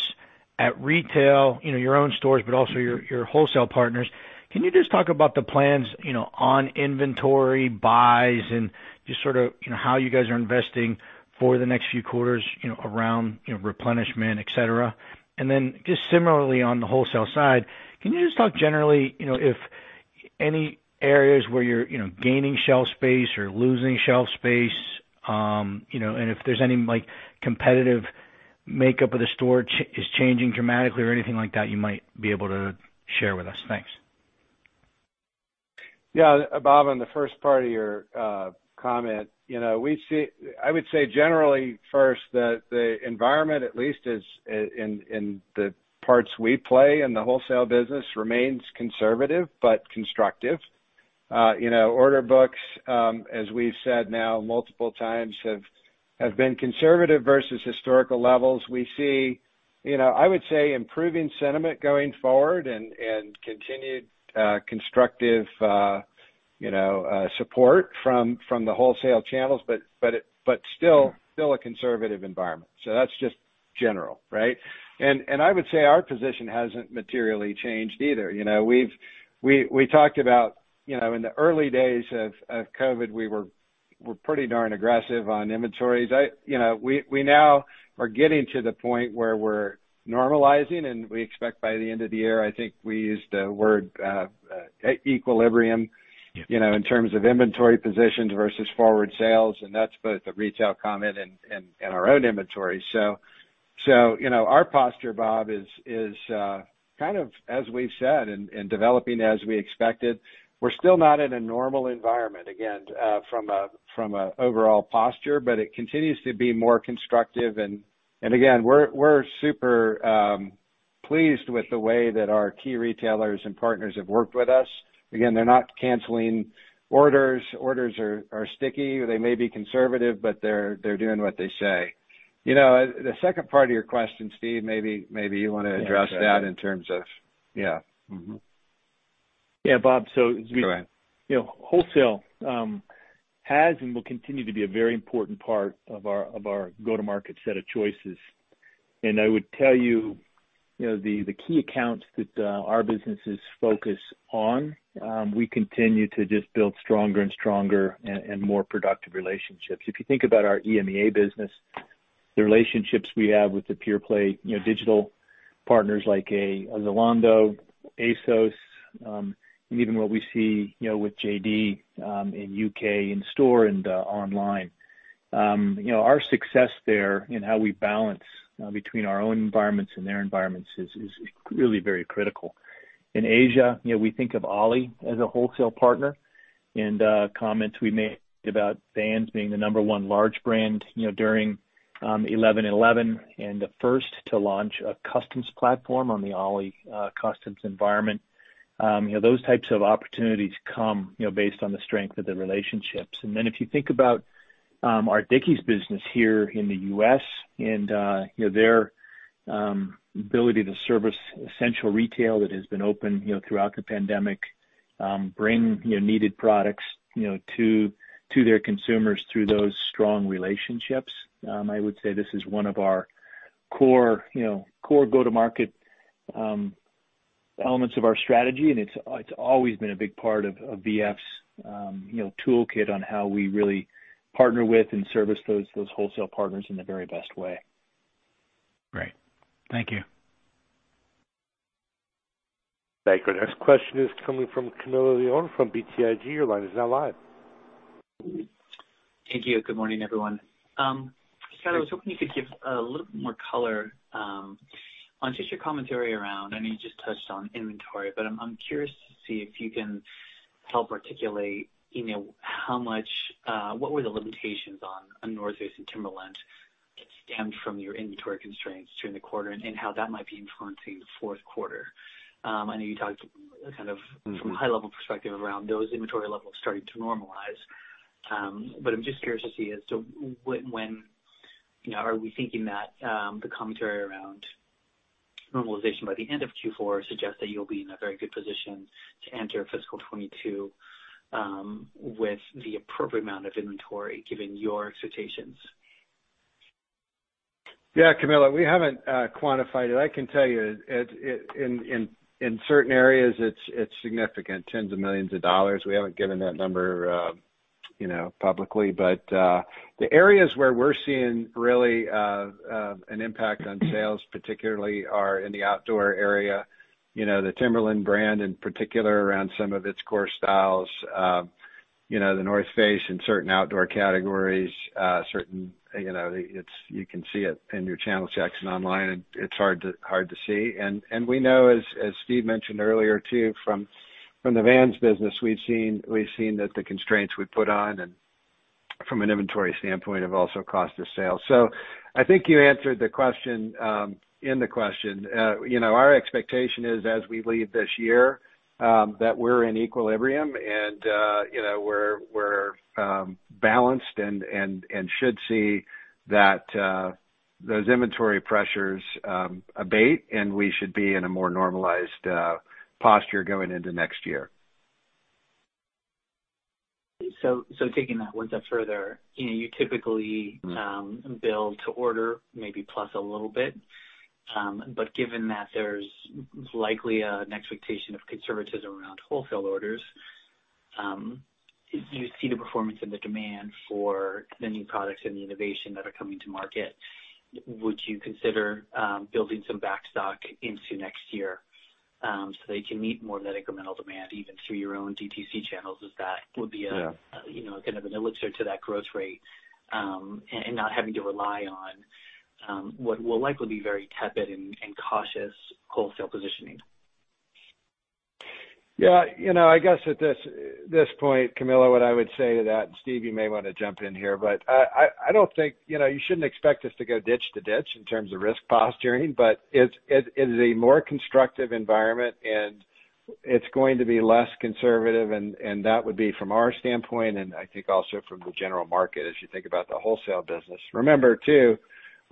S8: at retail, your own stores, but also your wholesale partners, can you just talk about the plans on inventory buys and just sort of how you guys are investing for the next few quarters around replenishment, et cetera. Then just similarly on the wholesale side, can you just talk generally if any areas where you're gaining shelf space or losing shelf space, and if there's any competitive makeup of the store is changing dramatically or anything like that you might be able to share with us. Thanks.
S4: Yeah. Bob, on the first part of your comment, I would say generally first that the environment, at least in the parts we play in the wholesale business, remains conservative but constructive. Order books, as we've said now multiple times, have been conservative versus historical levels. We see I would say improving sentiment going forward and continued constructive support from the wholesale channels, but still a conservative environment. That's just general, right? I would say our position hasn't materially changed either. We talked about in the early days of COVID, we're pretty darn aggressive on inventories. We now are getting to the point where we're normalizing, and we expect by the end of the year, I think we used the word equilibrium in terms of inventory positions versus forward sales, and that's both the retail comment and our own inventory. Our posture, Bob, is as we've said, and developing as we expected. We're still not in a normal environment, again, from an overall posture, but it continues to be more constructive. Again, we're super pleased with the way that our key retailers and partners have worked with us. Again, they're not canceling orders. Orders are sticky, or they may be conservative, but they're doing what they say. The second part of your question, Steve, maybe you want to address that in terms of Yeah. Mm-hmm.
S3: Yeah, Bob.
S4: Go ahead.
S3: Wholesale has and will continue to be a very important part of our go-to-market set of choices. I would tell you the key accounts that our businesses focus on, we continue to just build stronger and stronger and more productive relationships. If you think about our EMEA business, the relationships we have with the pure-play digital partners like a Zalando, ASOS, and even what we see with JD in U.K., in store and online. Our success there and how we balance between our own environments and their environments is really very critical. In Asia, we think of Alibaba as a wholesale partner, and comments we made about Vans being the number 1 large brand during 11.11 and the first to launch a customs platform on the Alibaba customs environment. Those types of opportunities come based on the strength of the relationships. If you think about our Dickies business here in the U.S. and their ability to service essential retail that has been open throughout the pandemic, bring needed products to their consumers through those strong relationships. I would say this is one of our core go-to-market elements of our strategy, and it's always been a big part of VF's toolkit on how we really partner with and service those wholesale partners in the very best way.
S8: Great. Thank you.
S1: Thank you. Next question is coming from Camilo Lyon from BTIG. Your line is now live.
S9: Thank you. Good morning, everyone.
S4: Hi.
S9: Scott, I was hoping you could give a little bit more color on just your commentary around, I know you just touched on inventory, but I'm curious to see if you can help articulate what were the limitations on The North Face and Timberland stemmed from your inventory constraints during the quarter and how that might be influencing the fourth quarter. I know you talked kind of from a high-level perspective around those inventory levels starting to normalize. I'm just curious to see as to when are we thinking that the commentary around normalization by the end of Q4 suggests that you'll be in a very good position to enter fiscal 2022 with the appropriate amount of inventory given your expectations.
S4: Camilo, we haven't quantified it. I can tell you in certain areas, it's significant, tens of millions of dollars. We haven't given that number publicly. The areas where we're seeing really an impact on sales particularly are in the outdoor area. The Timberland brand in particular around some of its core styles, The North Face in certain outdoor categories. You can see it in your channel checks and online, it's hard to see. We know, as Steve mentioned earlier, too, from the Vans business, we've seen that the constraints we put on and from an inventory standpoint have also cost a sale. I think you answered the question in the question. Our expectation is as we leave this year, that we're in equilibrium and we're balanced and should see that those inventory pressures abate, and we should be in a more normalized posture going into next year.
S9: Taking that one step further, you typically build to order, maybe plus a little bit. Given that there's likely an expectation of conservatism around wholesale orders, do you see the performance and the demand for the new products and the innovation that are coming to market? Would you consider building some backstock into next year so that you can meet more of that incremental demand, even through your own DTC channels?
S4: Yeah.
S9: ...kind of an elixir to that growth rate, and not having to rely on what will likely be very tepid and cautious wholesale positioning?
S4: Yeah. I guess at this point, Camilo, what I would say to that, and Steve, you may want to jump in here, but you shouldn't expect us to go ditch to ditch in terms of risk posturing, but it is a more constructive environment, and it's going to be less conservative, and that would be from our standpoint, and I think also from the general market as you think about the wholesale business. Remember, too,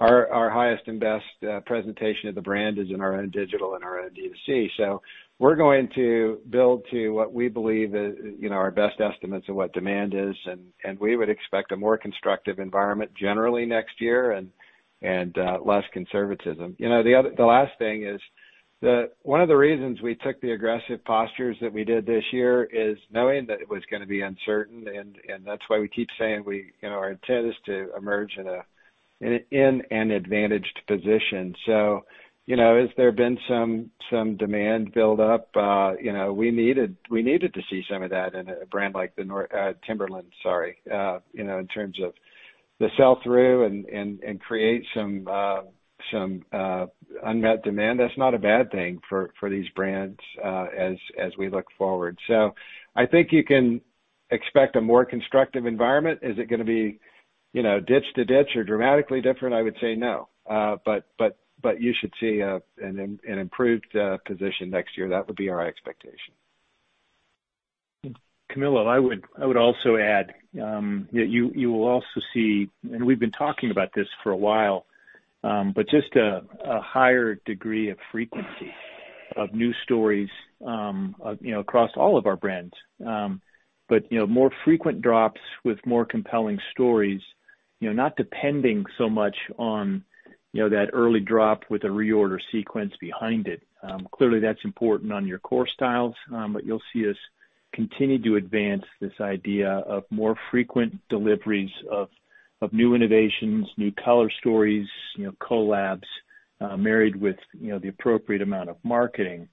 S4: our highest and best presentation of the brand is in our own digital and our own DTC. We're going to build to what we believe is our best estimates of what demand is, and we would expect a more constructive environment generally next year and less conservatism. The last thing is that one of the reasons we took the aggressive postures that we did this year is knowing that it was going to be uncertain, and that's why we keep saying our intent is to emerge in an advantaged position. Has there been some demand build up? We needed to see some of that in a brand like Timberland, in terms of the sell-through and create some unmet demand. That's not a bad thing for these brands as we look forward. I think you can expect a more constructive environment. Is it going to be ditch to ditch or dramatically different? I would say no. You should see an improved position next year. That would be our expectation.
S3: Camilo, I would also add, you will also see, we've been talking about this for a while, just a higher degree of frequency of new stories across all of our brands. More frequent drops with more compelling stories, not depending so much on that early drop with a reorder sequence behind it. Clearly, that's important on your core styles, you'll see us continue to advance this idea of more frequent deliveries of new innovations, new color stories, collabs, married with the appropriate amount of marketing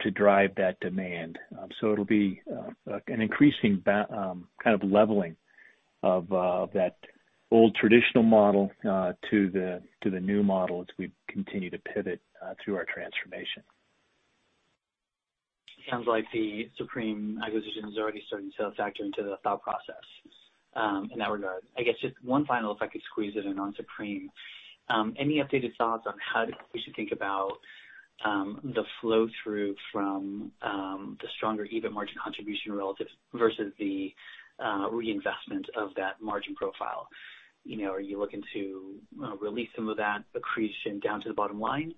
S3: to drive that demand. It'll be an increasing kind of leveling of that old traditional model to the new model as we continue to pivot through our transformation.
S9: Sounds like the Supreme acquisition is already starting to factor into the thought process in that regard. I guess just one final, if I could squeeze it in on Supreme. Any updated thoughts on how we should think about the flow-through from the stronger EBIT margin contribution relative versus the reinvestment of that margin profile? Are you looking to release some of that accretion down to the bottom line?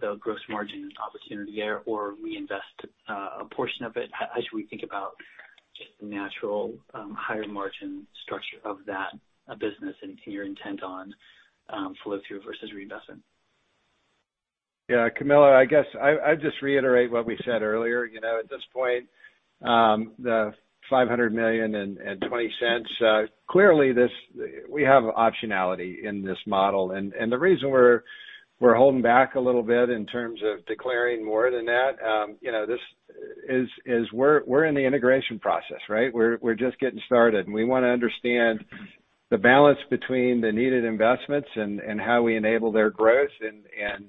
S9: The gross margin opportunity there, or reinvest a portion of it? How should we think about just the natural higher margin structure of that business and your intent on flow-through versus reinvestment?
S4: Yeah. Camilo, I guess I'd just reiterate what we said earlier. At this point, the $500 million and $0.20, clearly we have optionality in this model, the reason we're holding back a little bit in terms of declaring more than that is we're in the integration process, right? We're just getting started, we want to understand the balance between the needed investments and how we enable their growth and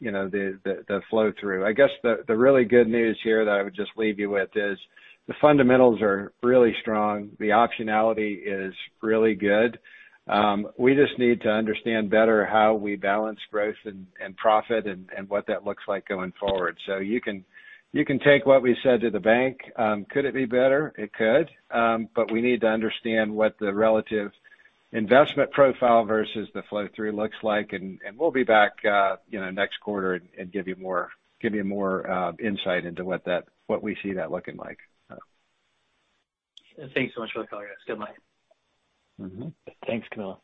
S4: the flow through. I guess the really good news here that I would just leave you with is the fundamentals are really strong. The optionality is really good. We just need to understand better how we balance growth and profit and what that looks like going forward. You can take what we said to the bank. Could it be better? It could. We need to understand what the relative investment profile versus the flow through looks like, and we'll be back next quarter and give you more insight into what we see that looking like.
S9: Thanks so much for the color, guys. Good night.
S3: Mm-hmm. Thanks, Camilo.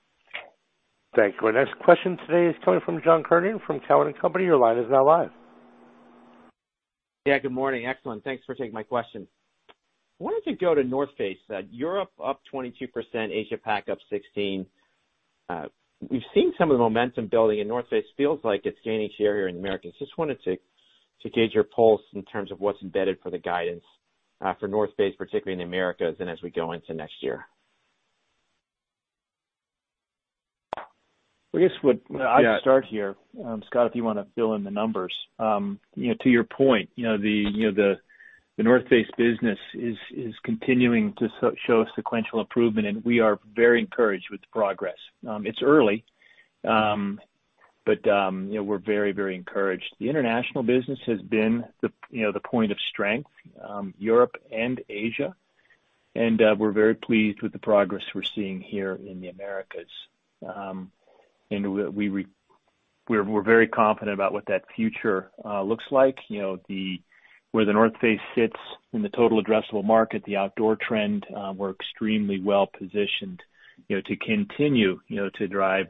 S1: Thank you. Our next question today is coming from John Kernan from Cowen and Company. Your line is now live.
S10: Yeah, good morning. Excellent. Thanks for taking my question. I wanted to go to North Face. Europe up 22%, Asia Pac up 16%. We've seen some of the momentum building in North Face. Feels like it's gaining share here in the Americas. Just wanted to gauge your pulse in terms of what's embedded for the guidance for North Face, particularly in the Americas and as we go into next year.
S3: I guess what I'd start here, Scott, if you want to fill in the numbers. To your point, The North Face business is continuing to show sequential improvement. We are very encouraged with the progress. It's early, but we're very encouraged. The international business has been the point of strength, Europe and Asia, and we're very pleased with the progress we're seeing here in the Americas. We're very confident about what that future looks like. Where The North Face sits in the total addressable market, the outdoor trend, we're extremely well positioned to continue to drive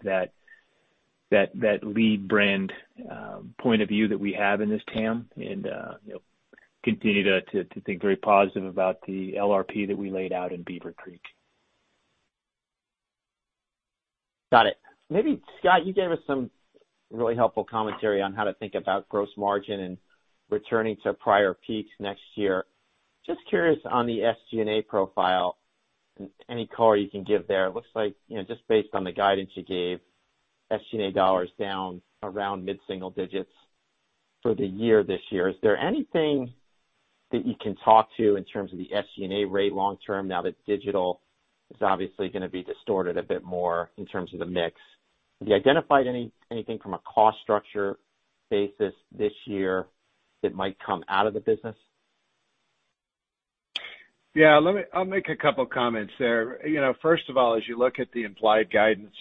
S3: that lead brand point of view that we have in this TAM and continue to think very positive about the LRP that we laid out in Beaver Creek.
S10: Got it. Maybe Scott, you gave us some really helpful commentary on how to think about gross margin and returning to prior peaks next year. Just curious on the SG&A profile, any color you can give there? It looks like, just based on the guidance you gave, SG&A dollars down around mid-single digits for the year this year. Is there anything that you can talk to in terms of the SG&A rate long term now that digital is obviously going to be distorted a bit more in terms of the mix? Have you identified anything from a cost structure basis this year that might come out of the business?
S4: I'll make a couple comments there. First of all, as you look at the implied guidance,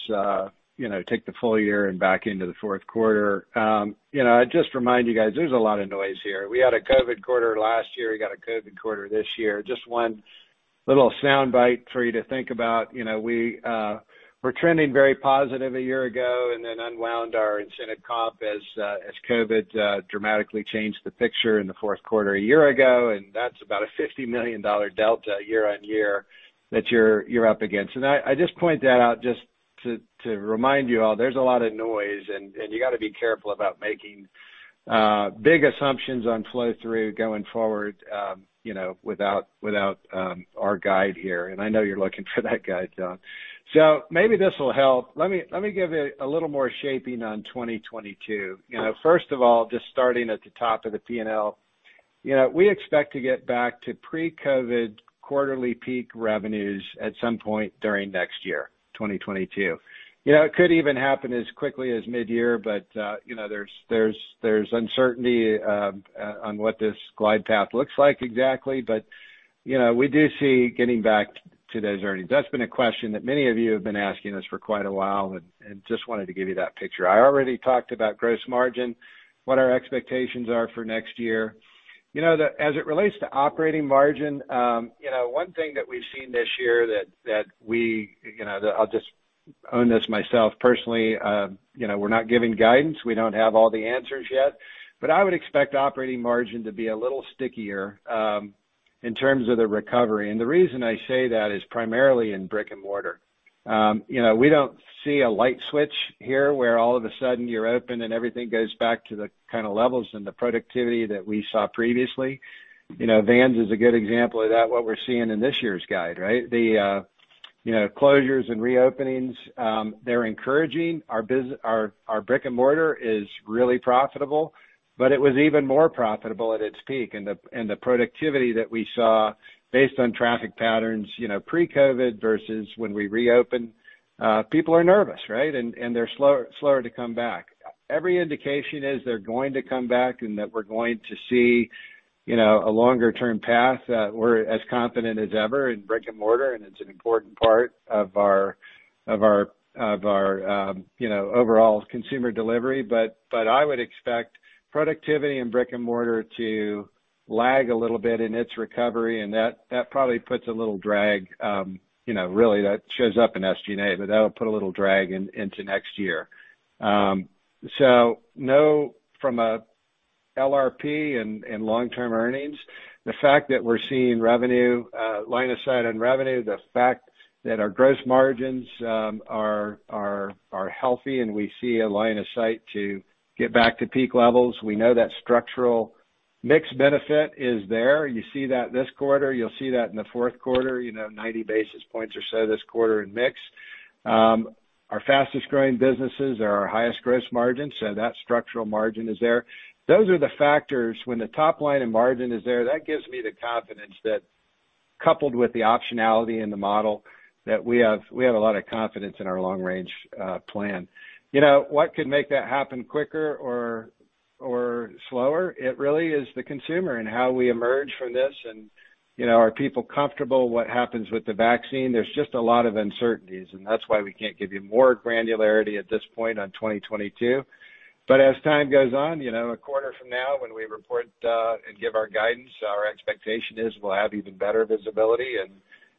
S4: take the full year and back into the fourth quarter. I'd just remind you guys, there's a lot of noise here. We had a COVID quarter last year. We got a COVID quarter this year. Just one little soundbite for you to think about. We're trending very positive a year ago, and then unwound our incentive comp as COVID dramatically changed the picture in the fourth quarter a year ago, and that's about a $50 million delta year-on-year that you're up against. I just point that out just to remind you all, there's a lot of noise and you got to be careful about making big assumptions on flow-through going forward without our guide here, and I know you're looking for that guide, John. Maybe this will help. Let me give a little more shaping on 2022.
S10: Okay.
S4: First of all, just starting at the top of the P&L, we expect to get back to pre-COVID quarterly peak revenues at some point during next year, 2022. It could even happen as quickly as mid-year, but there's uncertainty on what this glide path looks like exactly. We do see getting back to those earnings. That's been a question that many of you have been asking us for quite a while, and just wanted to give you that picture. I already talked about gross margin, what our expectations are for next year. As it relates to operating margin, one thing that we've seen this year, I'll just own this myself personally. We're not giving guidance. We don't have all the answers yet. I would expect operating margin to be a little stickier in terms of the recovery. The reason I say that is primarily in brick and mortar. We don't see a light switch here where all of a sudden you're open and everything goes back to the kind of levels and the productivity that we saw previously. Vans is a good example of that, what we're seeing in this year's guide, right? The closures and reopenings, they're encouraging. Our brick and mortar is really profitable, but it was even more profitable at its peak. The productivity that we saw based on traffic patterns pre-COVID versus when we reopened, people are nervous, right? They're slower to come back. Every indication is they're going to come back and that we're going to see a longer-term path. We're as confident as ever in brick and mortar, and it's an important part of our overall consumer delivery. I would expect productivity in brick and mortar to lag a little bit in its recovery, and that probably puts a little drag. Really, that shows up in SG&A, but that'll put a little drag into next year. Know from a LRP and long-term earnings, the fact that we're seeing line of sight on revenue, the fact that our gross margins are healthy and we see a line of sight to get back to peak levels. We know that structural mix benefit is there. You see that this quarter. You'll see that in the fourth quarter, 90 basis points or so this quarter in mix. Our fastest-growing businesses are our highest gross margin, so that structural margin is there. Those are the factors. When the top line and margin is there, that gives me the confidence that coupled with the optionality in the model, that we have a lot of confidence in our long-range plan. What could make that happen quicker or slower? It really is the consumer and how we emerge from this, and are people comfortable? What happens with the vaccine? There's just a lot of uncertainties, and that's why we can't give you more granularity at this point on 2022. As time goes on, a quarter from now when we report and give our guidance, our expectation is we'll have even better visibility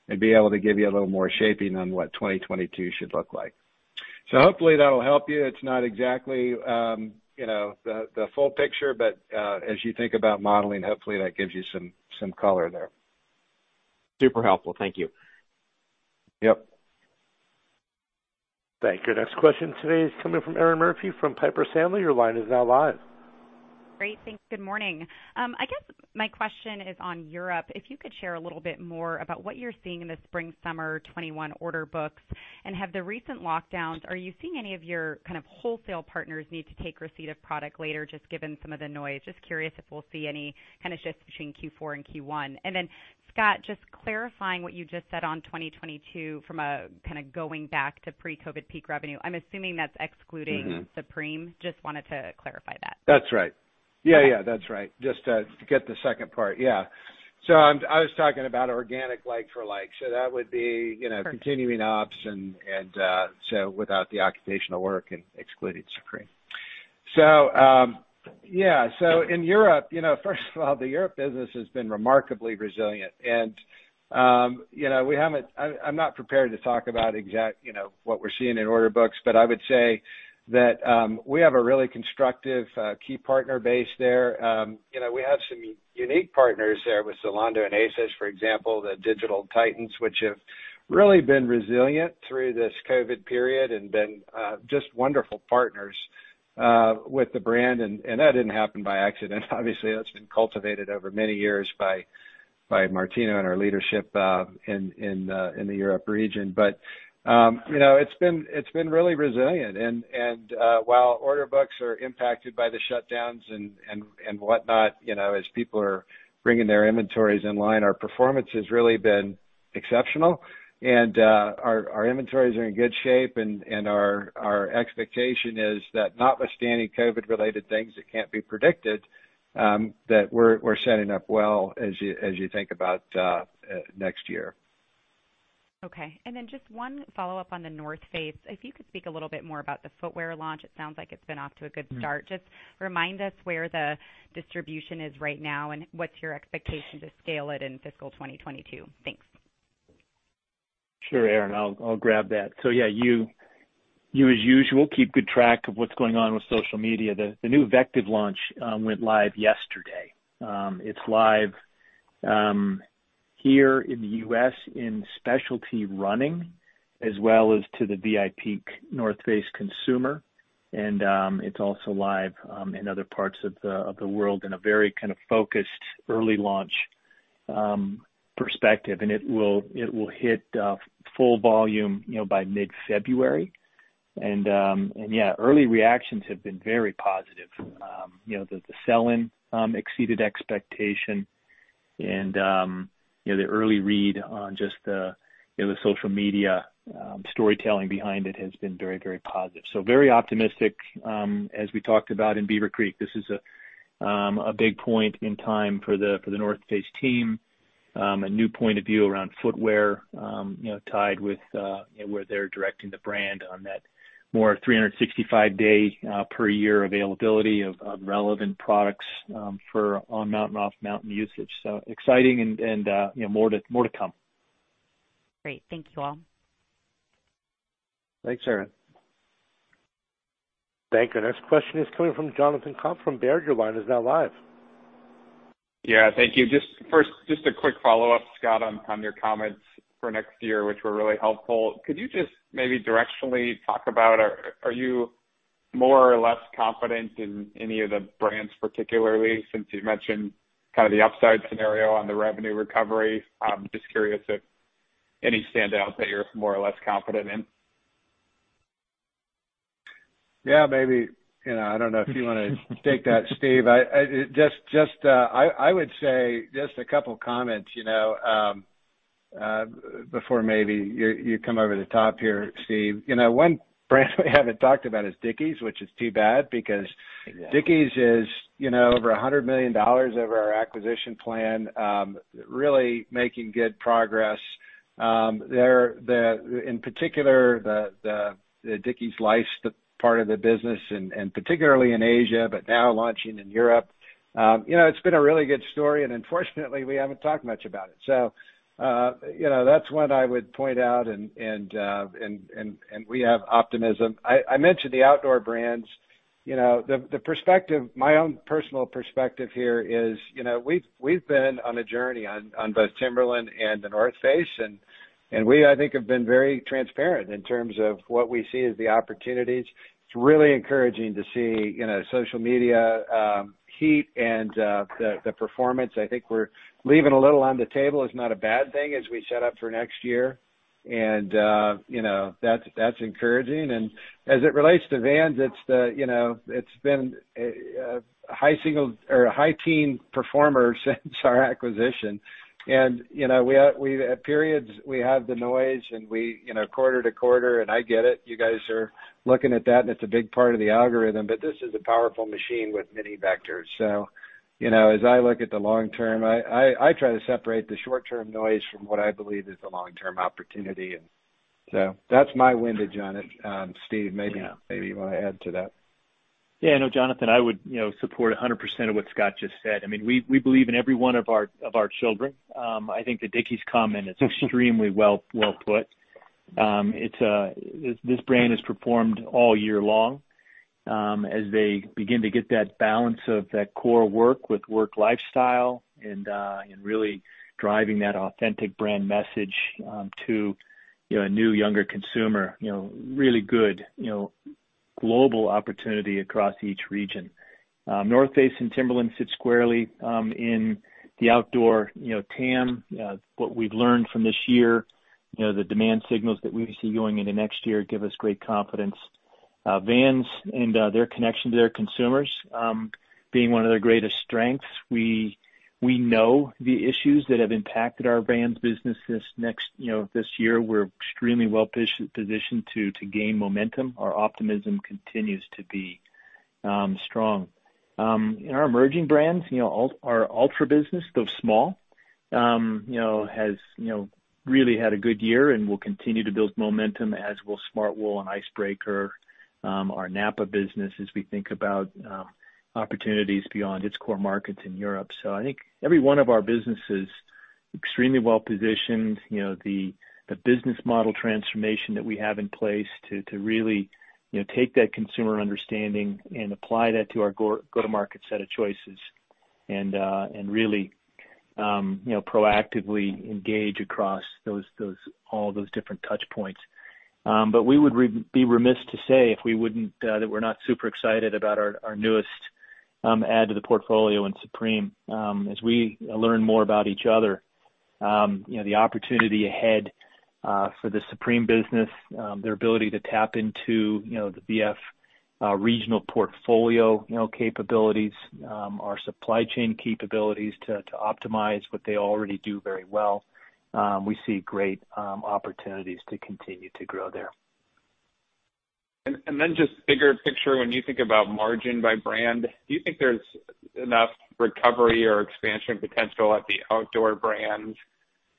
S4: and be able to give you a little more shaping on what 2022 should look like. Hopefully that'll help you. It's not exactly the full picture, but as you think about modeling, hopefully that gives you some color there.
S10: Super helpful. Thank you.
S4: Yep.
S1: Thank you. Next question today is coming from Erinn Murphy from Piper Sandler. Your line is now live.
S11: Great. Thanks. Good morning. I guess my question is on Europe. If you could share a little bit more about what you're seeing in the spring/summer 2021 order books, and have the recent lockdowns, are you seeing any of your kind of wholesale partners need to take receipt of product later, just given some of the noise? Just curious if we'll see any kind of shifts between Q4 and Q1. Then, Scott, just clarifying what you just said on 2022 from a kind of going back to pre-COVID peak revenue. I'm assuming that's excluding Supreme. Just wanted to clarify that.
S4: That's right. Yeah. Just to get the second part. I was talking about organic like for like-
S11: Perfect.
S4: ...continuing ops without the occupational work and excluding Supreme. Yeah. In Europe, first of all, the Europe business has been remarkably resilient. I'm not prepared to talk about exact what we're seeing in order books, but I would say that we have a really constructive key partner base there. We have some unique partners there with Zalando and ASOS, for example, the digital titans, which have really been resilient through this COVID period and been just wonderful partners with the brand. That didn't happen by accident. Obviously, that's been cultivated over many years by Martino and our leadership in the Europe region. It's been really resilient, and while order books are impacted by the shutdowns and whatnot as people are bringing their inventories in line, our performance has really been exceptional. Our inventories are in good shape, and our expectation is that notwithstanding COVID-related things that can't be predicted, that we're setting up well as you think about next year.
S11: Okay. Just one follow-up on The North Face. If you could speak a little bit more about the footwear launch. It sounds like it's been off to a good start. Just remind us where the distribution is right now, and what's your expectation to scale it in fiscal 2022? Thanks.
S3: Sure, Erinn. I'll grab that. Yeah, you as usual, keep good track of what's going on with social media. The new VECTIV launch went live yesterday. It's live here in the U.S. in specialty running, as well as to the VIP The North Face consumer. It's also live in other parts of the world in a very focused early launch perspective. It will hit full volume by mid-February. Yeah, early reactions have been very positive. The sell-in exceeded expectation and the early read on just the social media storytelling behind it has been very, very positive. Very optimistic. As we talked about in Beaver Creek, this is a big point in time for The North Face team. A new point of view around footwear, tied with where they're directing the brand on that more 365 day per year availability of relevant products for on mountain, off mountain usage. Exciting and more to come.
S11: Great. Thank you all.
S3: Thanks, Erinn.
S1: Thank you. Next question is coming from Jonathan Komp from Baird. Your line is now live.
S12: Yeah, thank you. Just first, just a quick follow-up, Scott, on your comments for next year, which were really helpful. Could you just maybe directionally talk about, are you more or less confident in any of the brands, particularly since you mentioned the upside scenario on the revenue recovery? Just curious if any stand out that you're more or less confident in.
S4: Yeah, maybe. I don't know if you want to take that, Steve. I would say just a couple of comments before maybe you come over the top here, Steve. One brand we haven't talked about is Dickies, which is too bad because Dickies is over $100 million over our acquisition plan. Really making good progress. In particular, the Dickies Life part of the business, and particularly in Asia, but now launching in Europe. It's been a really good story and unfortunately, we haven't talked much about it. That's what I would point out and we have optimism. I mentioned the outdoor brands. My own personal perspective here is, we've been on a journey on both Timberland and The North Face, and we, I think, have been very transparent in terms of what we see as the opportunities. It's really encouraging to see social media heat and the performance. I think we're leaving a little on the table is not a bad thing as we set up for next year. That's encouraging. As it relates to Vans, it's been a high teen performer since our acquisition. At periods we have the noise and quarter to quarter, and I get it, you guys are looking at that and it's a big part of the algorithm, but this is a powerful machine with many vectors. As I look at the long term, I try to separate the short term noise from what I believe is the long term opportunity. That's my windage on it. Steve, maybe you want to add to that.
S3: Yeah, no, Jonathan, I would support 100% of what Scott just said. We believe in every one of our children. I think the Dickies comment is extremely well put. This brand has performed all year long. As they begin to get that balance of that core work with work lifestyle and really driving that authentic brand message to a new younger consumer, really good global opportunity across each region. North Face and Timberland sit squarely in the outdoor TAM. What we've learned from this year, the demand signals that we see going into next year give us great confidence. Vans and their connection to their consumers being one of their greatest strengths. We know the issues that have impacted our Vans business this year. We're extremely well-positioned to gain momentum. Our optimism continues to be strong. In our emerging brands, our Altra business, though small, has really had a good year and will continue to build momentum as will Smartwool and icebreaker, our Napa business as we think about opportunities beyond its core markets in Europe. I think every one of our businesses, extremely well positioned. The business model transformation that we have in place to really take that consumer understanding and apply that to our go-to-market set of choices and really proactively engage across all those different touch points. We would be remiss to say that we're not super excited about our newest add to the portfolio in Supreme. As we learn more about each other, the opportunity ahead for the Supreme business, their ability to tap into the VF regional portfolio capabilities, our supply chain capabilities to optimize what they already do very well. We see great opportunities to continue to grow there.
S12: Just bigger picture, when you think about margin by brand, do you think there's enough recovery or expansion potential at the outdoor brand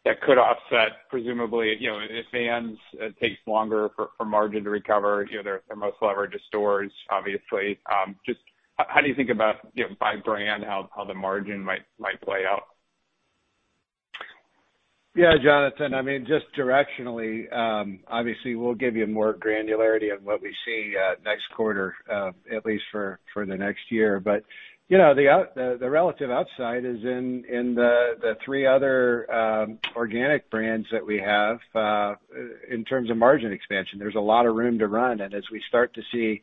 S12: that could offset, presumably, if Vans takes longer for margin to recover, they're most levered to stores, obviously. Just how do you think about by brand, how the margin might play out?
S4: Jonathan. Just directionally, obviously we'll give you more granularity on what we see next quarter, at least for the next year. The relative outside is in the three other organic brands that we have in terms of margin expansion. There's a lot of room to run. As we start to see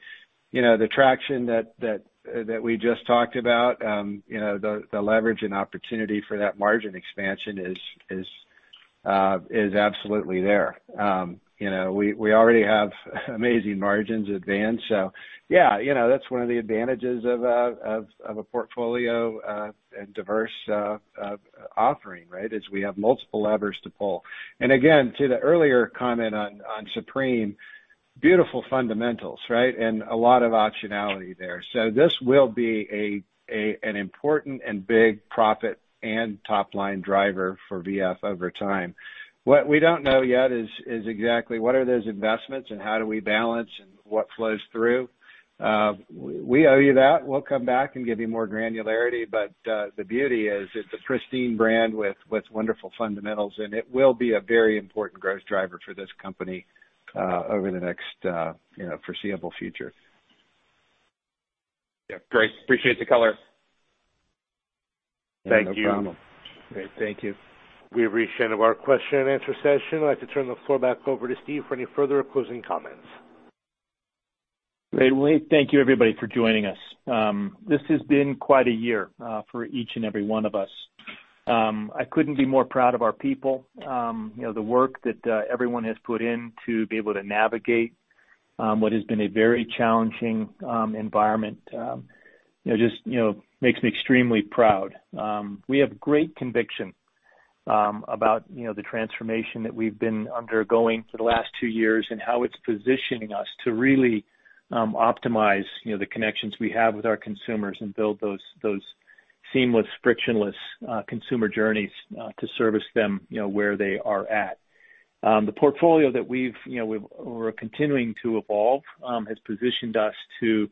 S4: the traction that we just talked about, the leverage and opportunity for that margin expansion is absolutely there. We already have amazing margins at Vans. That's one of the advantages of a portfolio and diverse offering, is we have multiple levers to pull. Again, to the earlier comment on Supreme, beautiful fundamentals and a lot of optionality there. This will be an important and big profit and top-line driver for VF over time. What we don't know yet is exactly what are those investments and how do we balance and what flows through. We owe you that. We'll come back and give you more granularity. The beauty is it's a pristine brand with wonderful fundamentals, and it will be a very important growth driver for this company over the next foreseeable future.
S12: Yeah, great. Appreciate the color.
S4: Thank you.
S3: No problem.
S1: We've reached the end of our question and answer session. I'd like to turn the floor back over to Steve for any further closing comments.
S3: Great. Well, hey, thank you everybody for joining us. This has been quite a year for each and every one of us. I couldn't be more proud of our people. The work that everyone has put in to be able to navigate what has been a very challenging environment just makes me extremely proud. We have great conviction about the transformation that we've been undergoing for the last two years and how it's positioning us to really optimize the connections we have with our consumers and build those seamless, frictionless consumer journeys to service them where they are at. The portfolio that we're continuing to evolve has positioned us to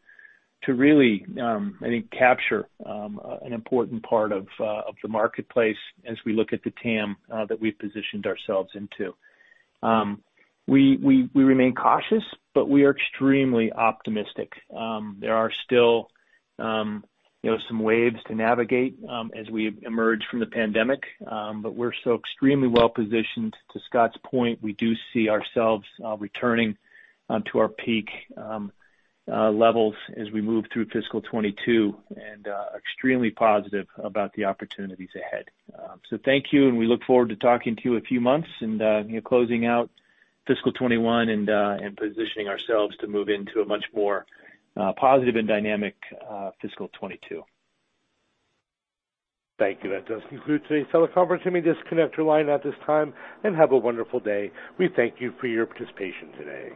S3: really, I think, capture an important part of the marketplace as we look at the TAM that we've positioned ourselves into. We remain cautious, but we are extremely optimistic. There are still some waves to navigate as we emerge from the pandemic, but we're still extremely well positioned. To Scott's point, we do see ourselves returning to our peak levels as we move through fiscal 2022, and extremely positive about the opportunities ahead. Thank you, and we look forward to talking to you in a few months and closing out fiscal 2021 and positioning ourselves to move into a much more positive and dynamic fiscal 2022.
S1: Thank you. That does conclude today's teleconference. You may disconnect your line at this time, and have a wonderful day. We thank you for your participation today.